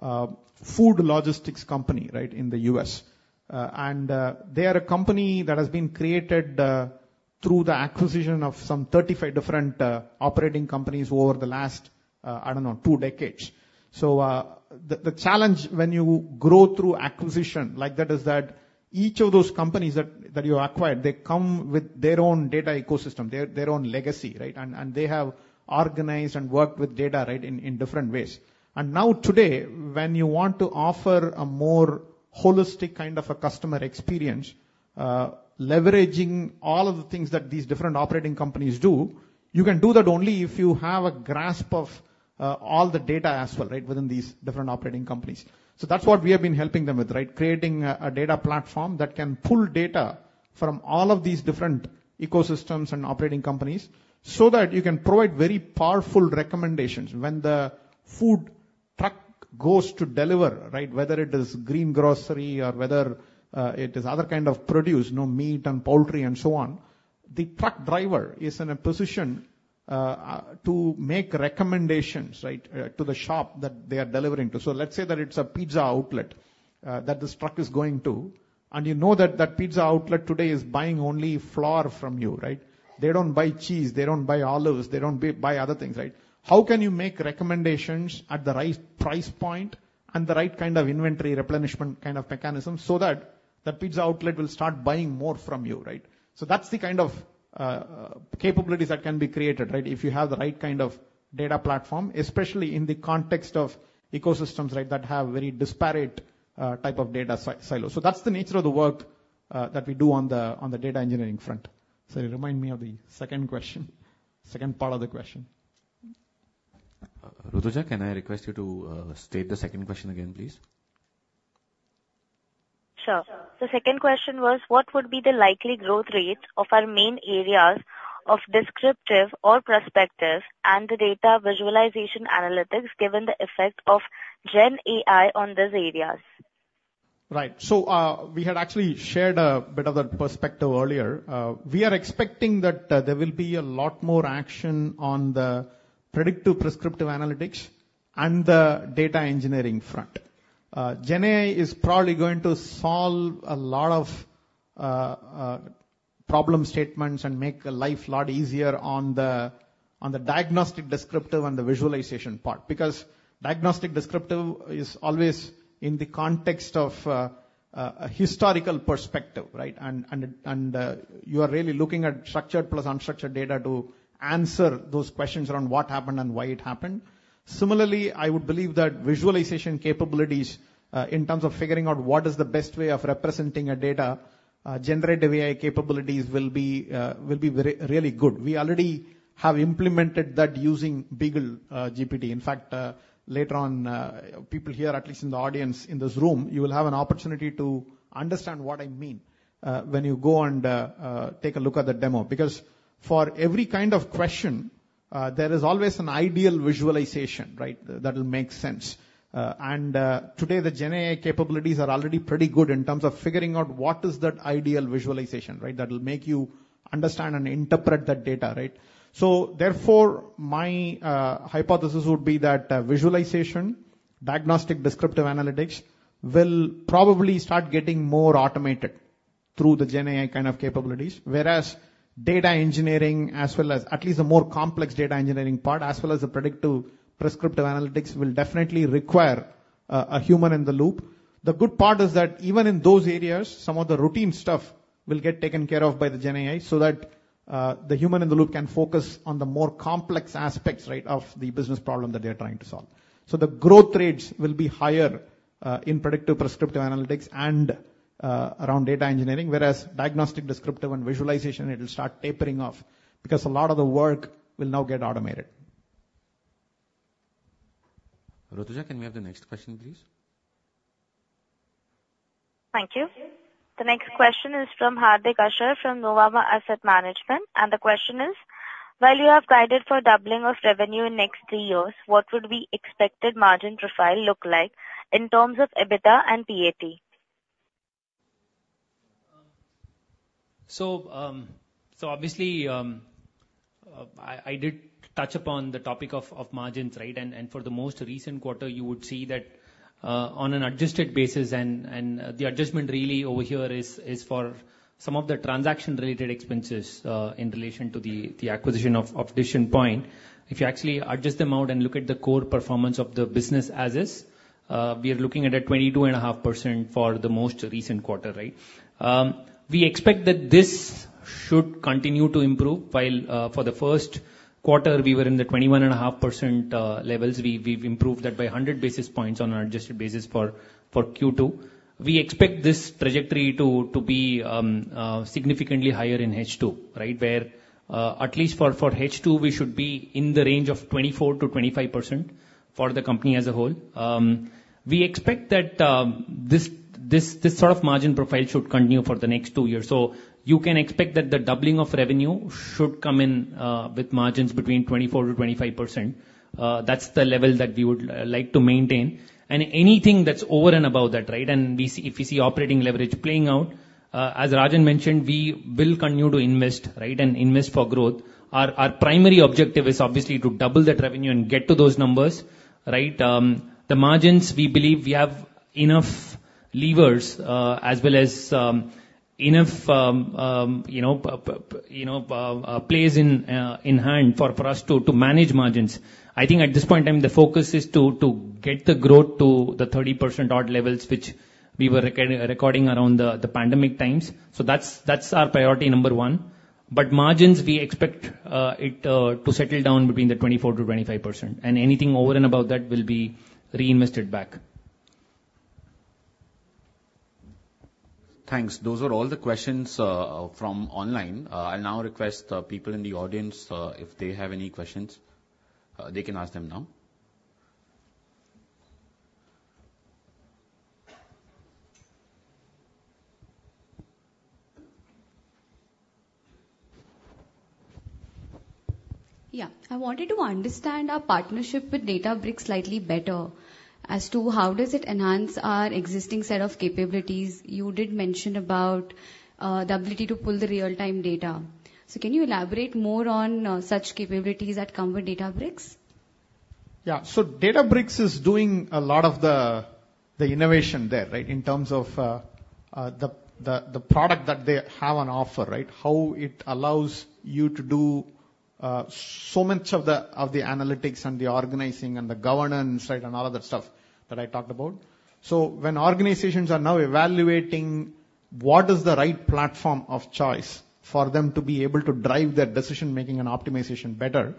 food logistics company right in the U.S., and they are a company that has been created through the acquisition of some 35 different operating companies over the last, I don't know, two decades. The challenge when you grow through acquisition like that is that each of those companies that you acquired, they come with their own data ecosystem, their own legacy, and they have organized and worked with data in different ways. Now today, when you want to offer a more holistic kind of a customer experience, leveraging all of the things that these different operating companies do, you can do that only if you have a grasp of all the data as well within these different operating companies. That's what we have been helping them with, right? Creating a data platform that can pull data from all of these different ecosystems and operating companies so that you can provide very powerful recommendations. When the food truck goes to deliver, whether it is green grocery or whether it is other kind of produce, no meat and poultry and so on, the truck driver is in a position to make recommendations to the shop that are delivering to. So let's say that it's a pizza outlet that this truck is going to and you know that that pizza outlet today is buying only flour from you, right? They don't buy cheese, they don't buy olives, they don't buy other things. Right. How can you make recommendations at the right price point and the right kind of inventory replenishment kind of mechanism so that the pizza outlet will start buying more from you? Right. So that's the kind of capabilities that can be created. Right. If you have the right kind of data platform, especially in the context of ecosystems. Right. That have very disparate type of data silo. So that's the nature of the work that we do on the data engineering front. So remind me of the second question, second part of the question. Rutuja, can I request you to state the second question again please? Sure. The second question was what would be the likely growth rate of our main areas of descriptive or prescriptive and the data visualization analytics, the effect of GenAI on these areas. Right. So we had actually shared a bit of that perspective earlier. We are expecting that there will be a lot more action on the predictive prescriptive analytics and the data engineering front. GenAI is probably going to solve a lot of problem statements and make life lot easier on the diagnostic descriptive and the visualization part. Because diagnostic descriptive is always in the context of a historical perspective. Right? And you are really looking at structured plus unstructured data to answer those questions around what happened and why it happened. Similarly, I would believe that visualization capabilities in terms of figuring out what is the best way of representing a data generative AI capabilities will be really good. We already have implemented that using BeagleGPT. In fact, later on, people here, at least in the audience in this room, you will have an opportunity to understand what I mean when you go and take a look at the demo. Because for every kind of question there is always an ideal visualization. Right? That will make sense, and today the GenAI capabilities are already pretty good in terms of figuring out what is that ideal visualization that will make you understand and interpret that data. Right? So, therefore, my hypothesis would be that visualization, diagnostic descriptive analytics will probably start getting more automated through the GenAI kind of capabilities. Whereas data engineering as well as at least a more complex data engineering part, as well as the predictive prescriptive analytics will definitely require a human in the loop. The good part is that even in those areas, some of the routine stuff will get taken care of by the GenAI so that the human in the loop can focus on the more complex aspects of the business problem that they are trying to solve. So the growth rates will be higher in predictive, prescriptive analytics and around data engineering, whereas diagnostic, descriptive and visualization, it will start tapering off because a lot of the work will now get automated. Can we have the next question please? Thank you. The next question is from Hardik Ashar from Nuvama Asset Management. And the question is, while you have guided for doubling of revenue in next three years, what would be expected margin profile look like in terms of EBITDA and PAT? Obviously I did touch upon the topic of margins, right? For the most recent quarter you would see that on an adjusted basis. The adjustment really over here is for some of the transaction related expenses in relation to the acquisition of Decision Point. If you actually adjust them out and look at the core performance of the business as is, we are looking at a 22.5% for the most recent quarter, right. We expect that this should continue to improve. While for the first quarter we were in the 21.5% levels, we've improved that by 100 basis points on our adjusted basis for Q2. We expect this trajectory to be significantly higher in H2, where at least for H2 we should be in the range of 24%-25%. For the company as a whole, we expect that this sort of margin profile should continue for the next two years. So you can expect that the doubling of revenue should come in with margins between 24%-25%. That's the level that we would like to maintain. And anything that's over and above that. And if we see operating leverage playing out, as Rajan mentioned, we will continue to invest and invest for growth. Our primary objective is obviously to double that revenue and get to those numbers. Right. The margins. We believe we have enough levers as well as enough, you know, plays in hand for us to manage margins. I think at this point in time the focus is to get the growth to the 30% odd levels which we were recording around the pandemic times. So that's our priority number one. But margins, we expect it to settle down between the 24%-25% and anything over and above that will be reinvested back. Thanks. Those are all the questions from online. I'll now request people in the audience if they have any questions they can ask them now. Yeah, I wanted to understand our partnership with Databricks slightly better as to how does it enhance our existing set of capabilities you did mention about the ability to pull the real-time data. So can you elaborate more on such capabilities that come with Databricks? Yeah. So Databricks is doing a lot of the innovation there, right? In terms of the product that they have on offer, right? How it allows you to do so much of the analytics and the organizing and the governance, right? And all of that stuff that I talked about. So when organizations are now evaluating what is the right platform of choice for them to be able to drive their decision making and optimization better,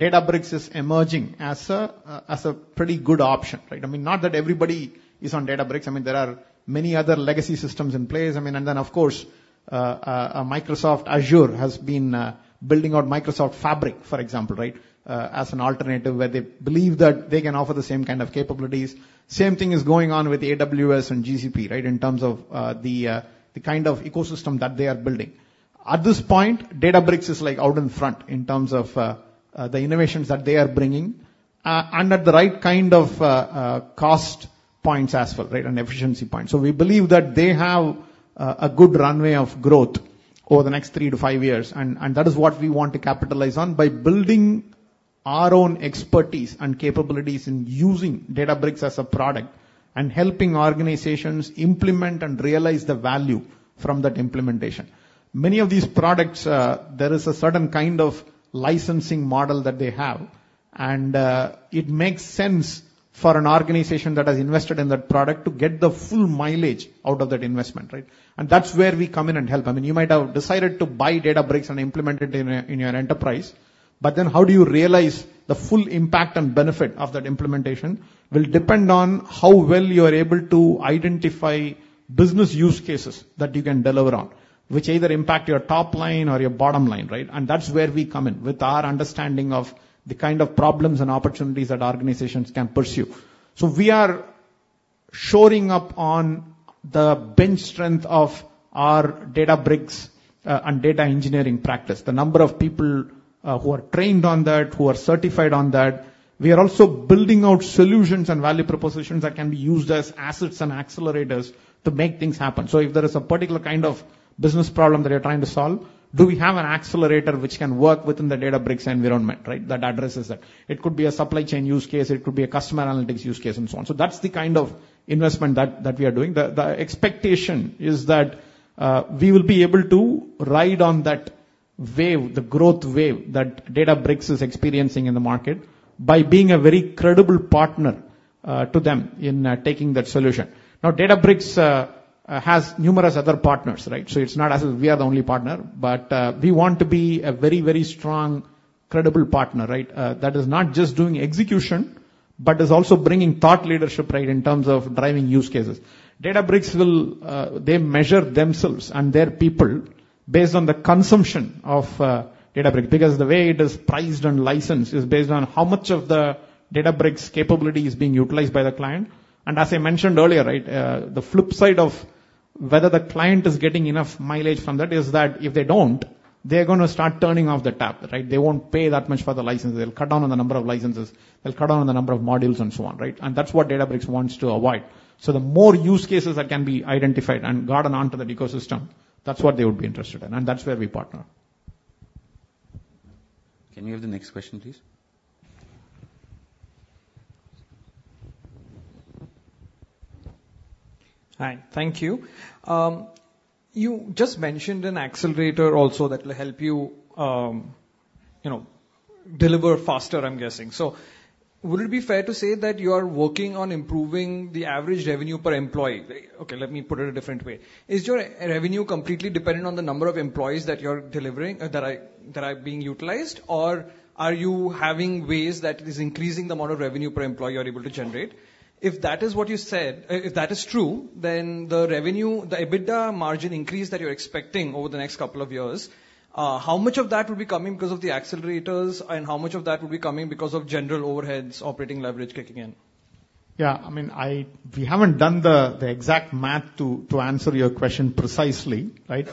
Databricks is emerging as a pretty good option, right? I mean, not that everybody is on Databricks. I mean, there are many other legacy systems in place. I mean, and then of course, Microsoft Azure has been building out Microsoft Fabric, for example, right? As an alternative where they believe that they can offer the same kind of capabilities. Same thing is going on with AWS and GCP, right? In terms of the kind of ecosystem that they are building at this point, Databricks is like out in front in terms of the innovations that they are bringing under the right kind of cost points as well. Right. And efficiency points. So we believe that they have a good runway of growth over the next three to five years. And that is what we want to capitalize on by building our own expertise and capabilities in using Databricks as a product and helping organizations implement and realize the value from that implementation. Many of these products, there is a certain kind of licensing model that they have and it makes sense for an organization that has invested in that product to get the full mileage out of that investment. Right. And that's where we come in and help. I mean, you might have decided to buy Databricks and implement it in your enterprise. But then how do you realize the full impact and benefit of that implementation will depend on how well you are able to identify business use cases that you can deliver on, which either impact your top line or your bottom line. Right. And that's where we come in with our understanding of the kind of problems and opportunities that organizations can pursue. So we are shoring up on the bench strength of our Databricks and data engineering practice, the number of people who are trained on that, who are certified on that. We are also building out solutions and value propositions that can be used as assets and accelerators to make things happen. So if there is a particular kind of business problem that you're trying to solve, do we have an accelerator which can work within the Databricks environment that addresses that? It could be a supply chain use case, it could be a customer analytics use case and so on. So that's the kind of investment that we are doing. The expectation is that we will be able to ride on that wave, the growth wave that Databricks is experiencing in the market, by being a very credible partner to them in taking that solution. Now, Databricks has numerous other partners, right. So it's not as we are the only partner, but we want to be a very, very strong, credible partner. Right. That is not just doing execution, but is also bringing thought leadership. Right. In terms of driving use cases, Databricks will they measure themselves and their people based on the consumption of Databricks? Because the way it is priced and licensed is based on how much of the Databricks capability is being utilized by the client. And as I mentioned earlier, right. The flip side of whether the client is getting enough mileage from that is that if they don't, they're going to start turning off the tap. They won't pay that much for the license, they'll cut down on the number of licenses, they'll cut down on the number of modules and so on. And that's what Databricks wants to avoid. So the more use cases that can be identified and gotten onto that ecosystem, that's what they would be interested in and that's where we partner. Can you have the next question please? Hi. Thank you. You just mentioned an accelerator also that will help you deliver faster, I'm guessing. So would it be fair to say that you are working on improving the average revenue per employee? Okay, let me put it a different way. Is your revenue completely dependent on the number of employees that you're delivering that are being utilized or are you having ways that is increasing the amount of revenue per employee you're able to generate? If that is what you said, if that is true, then the revenue, the EBITDA margin increase that you're expecting over the next couple of years, how much of that will be coming because of the accelerators and how much of that will be coming because of general overheads operating leverage kicking in? Yeah, I mean we haven't done the exact math to answer your question precisely, right.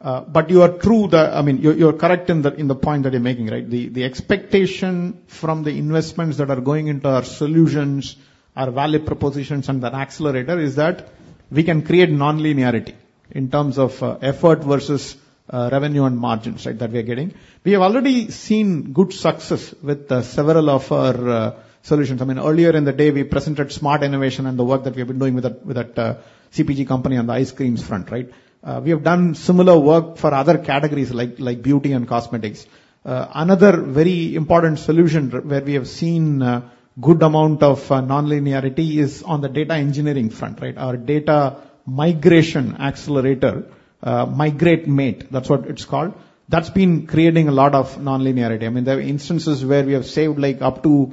But you're right that, I mean, you're correct in the point that you're making. Right. The expectation from the investments that are going into our solutions, our value propositions and the accelerator is that we can create nonlinearity in terms of effort versus revenue and margins that we are getting. We have already seen good success with several of our solutions. I mean, earlier in the day we presented smart innovation and the work that we have been doing with that CPG company on the ice creams front, right. We have done similar work for other categories like beauty and cosmetics. Another very important solution where we have seen good amount of nonlinearity is on the data engineering front, right? Our data migration accelerator, MigrateMate, that's what it's called. That's been creating a lot of non-linearity. I mean there are instances where we have saved like up to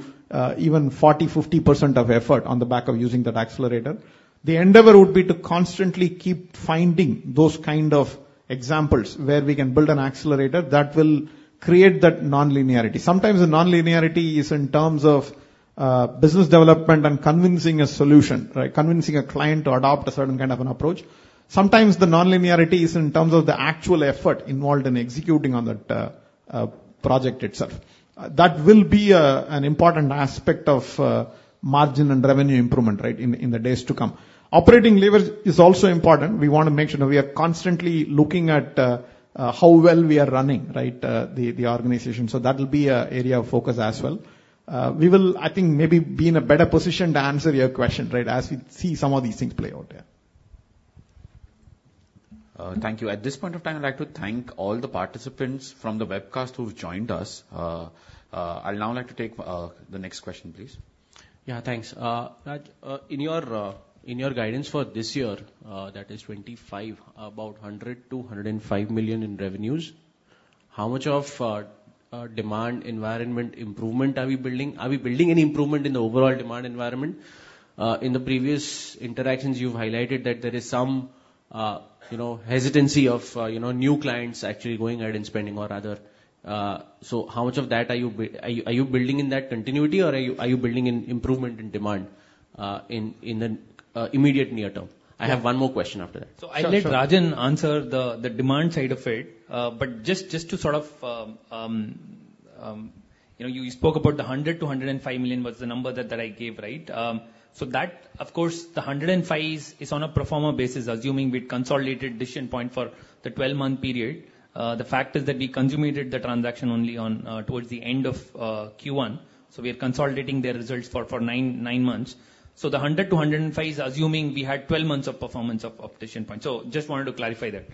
even 40%-50% of effort on the back of using that accelerator. The endeavor would be to constantly keep finding those kind of examples where we can build an accelerator that will create that non-linearity. Sometimes the non-linearity is in terms of business development and convincing a solution, convincing a client to adopt a certain kind of an approach. Sometimes the non-linearity is in terms of the actual effort involved in executing on that project itself. That will be an important aspect of margin and revenue improvement right in the days to come. Operating leverage is also important. We want to make sure we are constantly looking at how well we are running the organization. So that will be an area of focus as well. We will, I think, maybe be in a better position to answer your question as we see some of these things play out there. Thank you. At this point of time, I'd like to thank all the participants from the webcast who joined us. I'd now like to take the next question, please. Yeah, thanks. Raj, in your guidance for this year, that is 2025, about $100 million-$205 million in revenues. How much of demand environment improvement are we building? Are we building any improvement in the overall demand environment? In the previous interactions you've highlighted that there is some, you know, hesitancy of, you know, new clients actually going ahead and spending, or rather. So how much of that are you building in that continuity or are you building in improvement in demand in the immediate near term? I have one more question after that. So I'll let Rajan answer the demand side of it. But just to sort of. You spoke about the $100 million-$105 million was the number that I gave, right? So that of course the $105 million is on a pro forma basis. Assuming we consolidated Decision Point for the 12-month period. The fact is that we consummated the transaction only towards the end of Q1. So we are consolidating their results for nine months. So the $100 million-$105 million is assuming we had 12 months of performance of Decision Point. So just wanted to clarify that.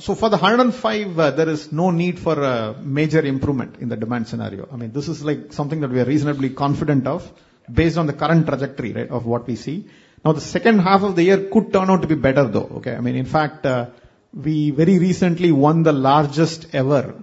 So for the $105 million, there is no need for a major improvement in the demand scenario. I mean, this is like something that we are reasonably confident of based on the current trajectory of what we see now. The second half of the year could turn out to be better though. Okay? I mean, in fact, we very recently won the largest ever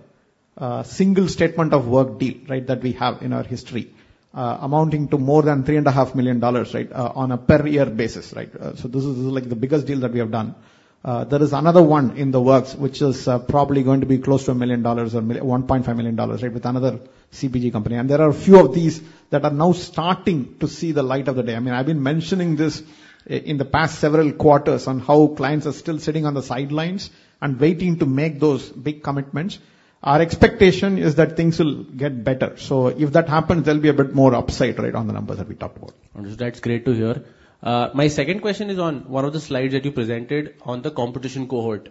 single statement of work deal that we have in our history, amounting to more than $3.5 million on a per year basis. So this is like the biggest deal that we have done. There is another one in the works which is probably going to be close to $1 million or $1.5 million with another CPG company. And there are a few of these that are now starting to see the light of the day. I mean, I've been mentioning this in the past several quarters on how clients are still sitting on the sidelines and waiting to make those big commitments. Our expectation is that things will get better. So if that happens, there'll be a bit more upside. Right. On the numbers that we talked about. That's great to hear. My second question is on one of the slides that you presented on the competition cohort.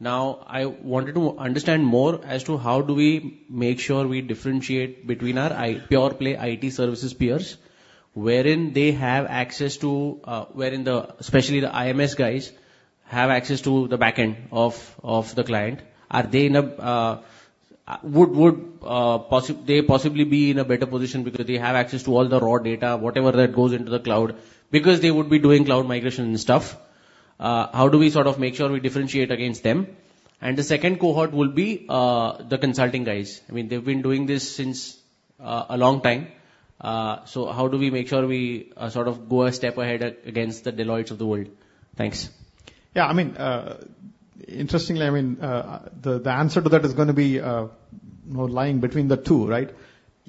Now I wanted to understand more as to how do we make sure we differentiate between our pure play IT services peers, wherein they have access to. Especially the IMS guys have access to the backend of the client. They possibly be in a better position because they have access to all the raw data, whatever that goes into the cloud because they would be doing cloud migration and stuff. How do we sort of make sure we differentiate against them? And the second cohort will be the consulting guys. I mean, they've been doing this since a long time. So how do we make sure we sort of go a step ahead against the Deloittes of the world? Thanks. Yeah, I mean, interestingly, I mean, the answer to that is going to be lying between the two, right?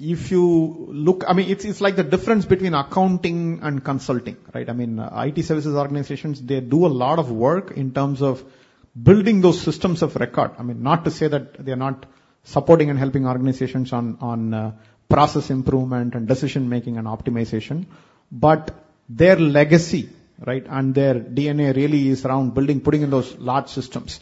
If you look, I mean, it's like the difference between accounting and consulting, right? I mean, IT services organizations, they do a lot of work in terms of building those systems of record. I mean, not to say that they are not supporting and helping organizations on process improvement and decision making and optimization, but their legacy, right? And their DNA really is around building, putting in those large systems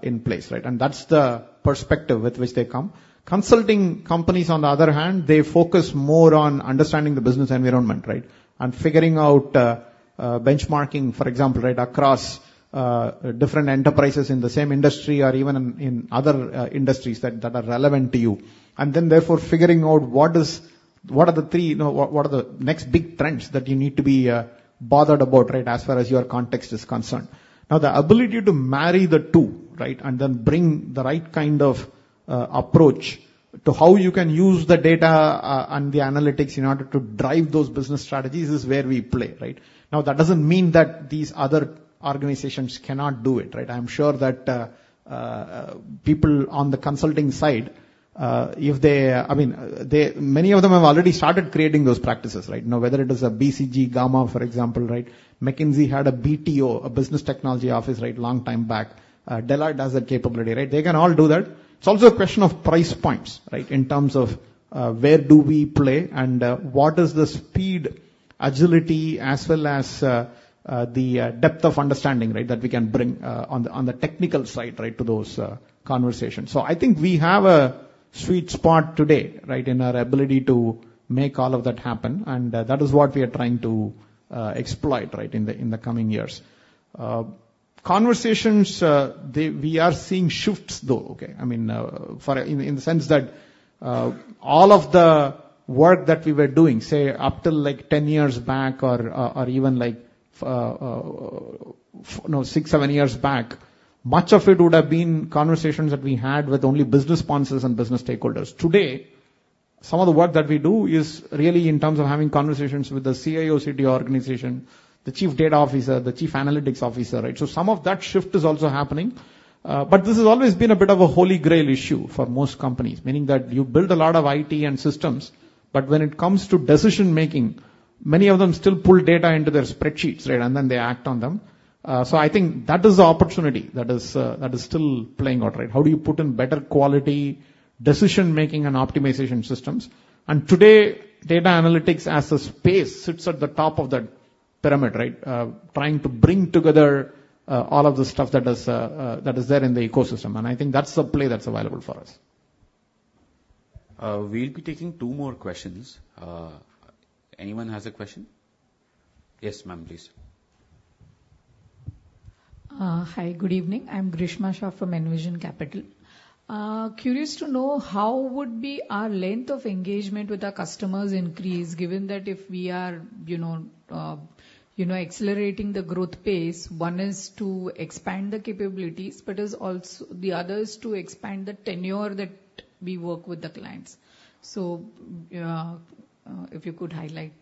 in place, right? And that's the perspective with which they come. Consulting companies, on the other hand, they focus more on understanding the business environment, right? And figuring out benchmarking, for example, right. Across different enterprises in the same industry or even in other industries that are relevant to you, and then therefore figuring out what are the three, what are the next big trends that you need to be bothered about as far as your context is concerned. Now, the ability to marry the two and then bring the right kind of approach to how you can use the data and the analytics in order to drive those business strategies is where we play right now. That doesn't mean that these other organizations cannot do it. Right. I'm sure that people on the consulting side, if they, I mean they, many of them have already started creating those practices right now, whether it is a BCG GAMMA, for example. Right. McKinsey had a BTO, a business technology office. Right. Long time back. Deloitte does that capability. Right. They can all do that. It's also a question of price points, right. In terms of where do we play and what is the speed, agility as well as the depth of understanding that we can bring on the technical side to those conversations. So I think we have a sweet spot today in our ability to make all of that happen and that is what we are trying to exploit in the coming years. Conversations. We are seeing shifts though, in the sense that all of the work that we were doing, say up till like 10 years back or even like six, seven years back, much of it would have been conversations that we had with only business sponsors and business stakeholders. Today, some of the work that we do is really in terms of having conversations with the CIO, CDO organization, the Chief Data Officer, the Chief Analytics Officer. So some of that shift is also happening. But this has always been a bit of a holy grail issue for most companies, meaning that you build a lot of IT and systems. But when it comes to decision making, many of them still pull data into their spreadsheets and then they act on them. So I think that is the opportunity that is still playing out. Right. How do you put in better quality decision making and optimization systems? And today data analytics as a space sits at the top of that pyramid trying to bring together all of the stuff that is there in the ecosystem. And I think that's the play that's available for us. We'll be taking two more questions. Anyone has a question? Yes, ma'am. Please. Hi, good evening. I'm Grishma Shah from Envision Capital. Curious to know how would be our length of engagement with our customers increase, given that if we are accelerating the growth pace, one is to expand the capabilities, but the other is to expand the tenure that we work with the clients. So if you could highlight.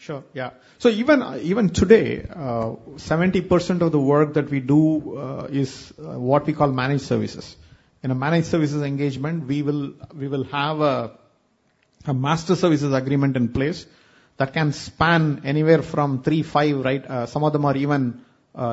Sure, yeah. So even today, 70% of the work that we do is what we call managed services. In a managed services engagement, we will have a master services agreement in place that can span anywhere from three, five. Right. Some of them are even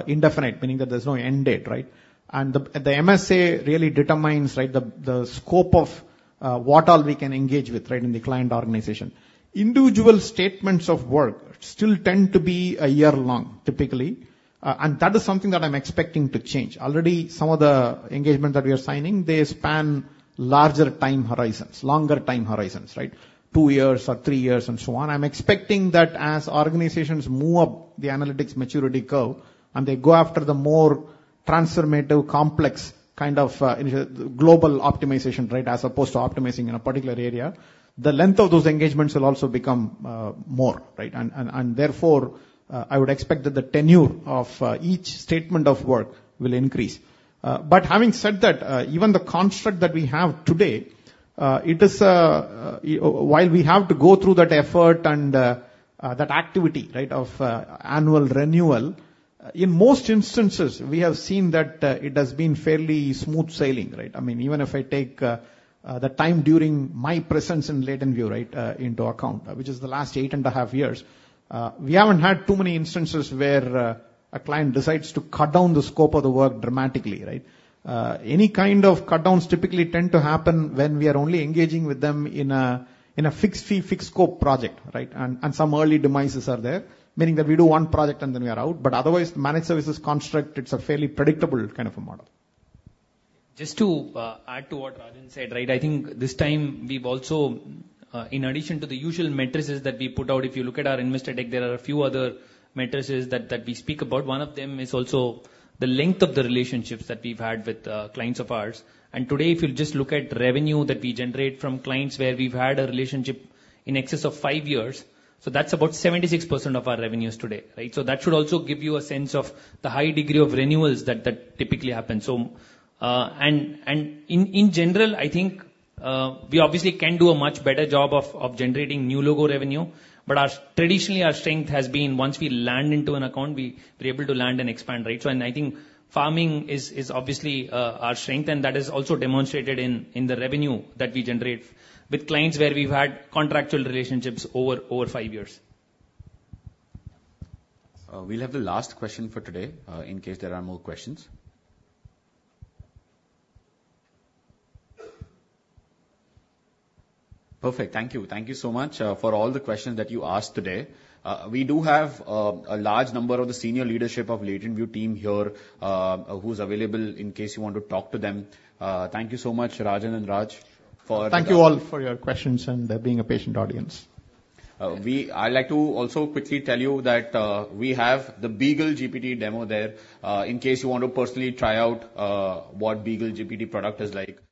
indefinite, meaning that there's no end date. Right. And the MSA really determines the scope of what all we can engage with. Right. In the client organization, individual statements of work still tend to be a year long typically. And that is something that I'm expecting to change already. Some of the engagement that we are signing, they span larger time horizons, longer time horizons. Right. Two years or three years and so on. I'm expecting that as organizations move up the analytics maturity curve and they go after the more transformative, complex kind of global optimization rate as opposed to optimizing in a particular area, the length of those engagements will also become more. Right. And therefore I would expect that the tenure of each statement of work will increase. But having said that, even the construct that we have today, it is while we have to go through that effort and that activity of annual renewal, in most instances we have seen that it has been fairly smooth sailing. I mean, even if I take the time during my presence in LatentView right into account, which is the last eight and a half years, we haven't had too many instances where a client decides to cut down the scope of the work dramatically. Right. Any kind of cut downs typically tend to happen when we are only engaging with them in a fixed fee, fixed scope project. Right. And some early demises are there, meaning that we do one project and then we are out. But otherwise managed services construct, it's a fairly predictable kind of a model. Just to add to what Rajan said. Right. I think this time we've also, in addition to the usual metrics that we put out, if you look at our investor deck, there are a few others that we speak about. One of them is also the length of the relationships that we've had with clients of ours. And today if you just look at revenue that we generate from clients where we've had a relationship in excess of five years, so that's about 76% of our revenues today. So that should also give you a sense of the high degree of renewals that typically happen. And in general, I think we obviously can do a much better job of generating new logo revenue. But traditionally our strength has been once we land into an account, we're able to land and expand. I think farming is obviously our strength and that is also demonstrated in the revenue that we generate with clients where we've had contractual relationships over five years. We'll have the last question for today in case there are more questions. Perfect. Thank you. Thank you so much for all the questions that you asked today. We do have a large number of the senior leadership of LatentView team here who's available in case you want to talk to them. Thank you so much, Rajan and Raj. Thank you all for your questions and being a patient audience. I'd like to also quickly tell you that we have the BeagleGPT demo there in case you want to personally try out what BeagleGPT product is like.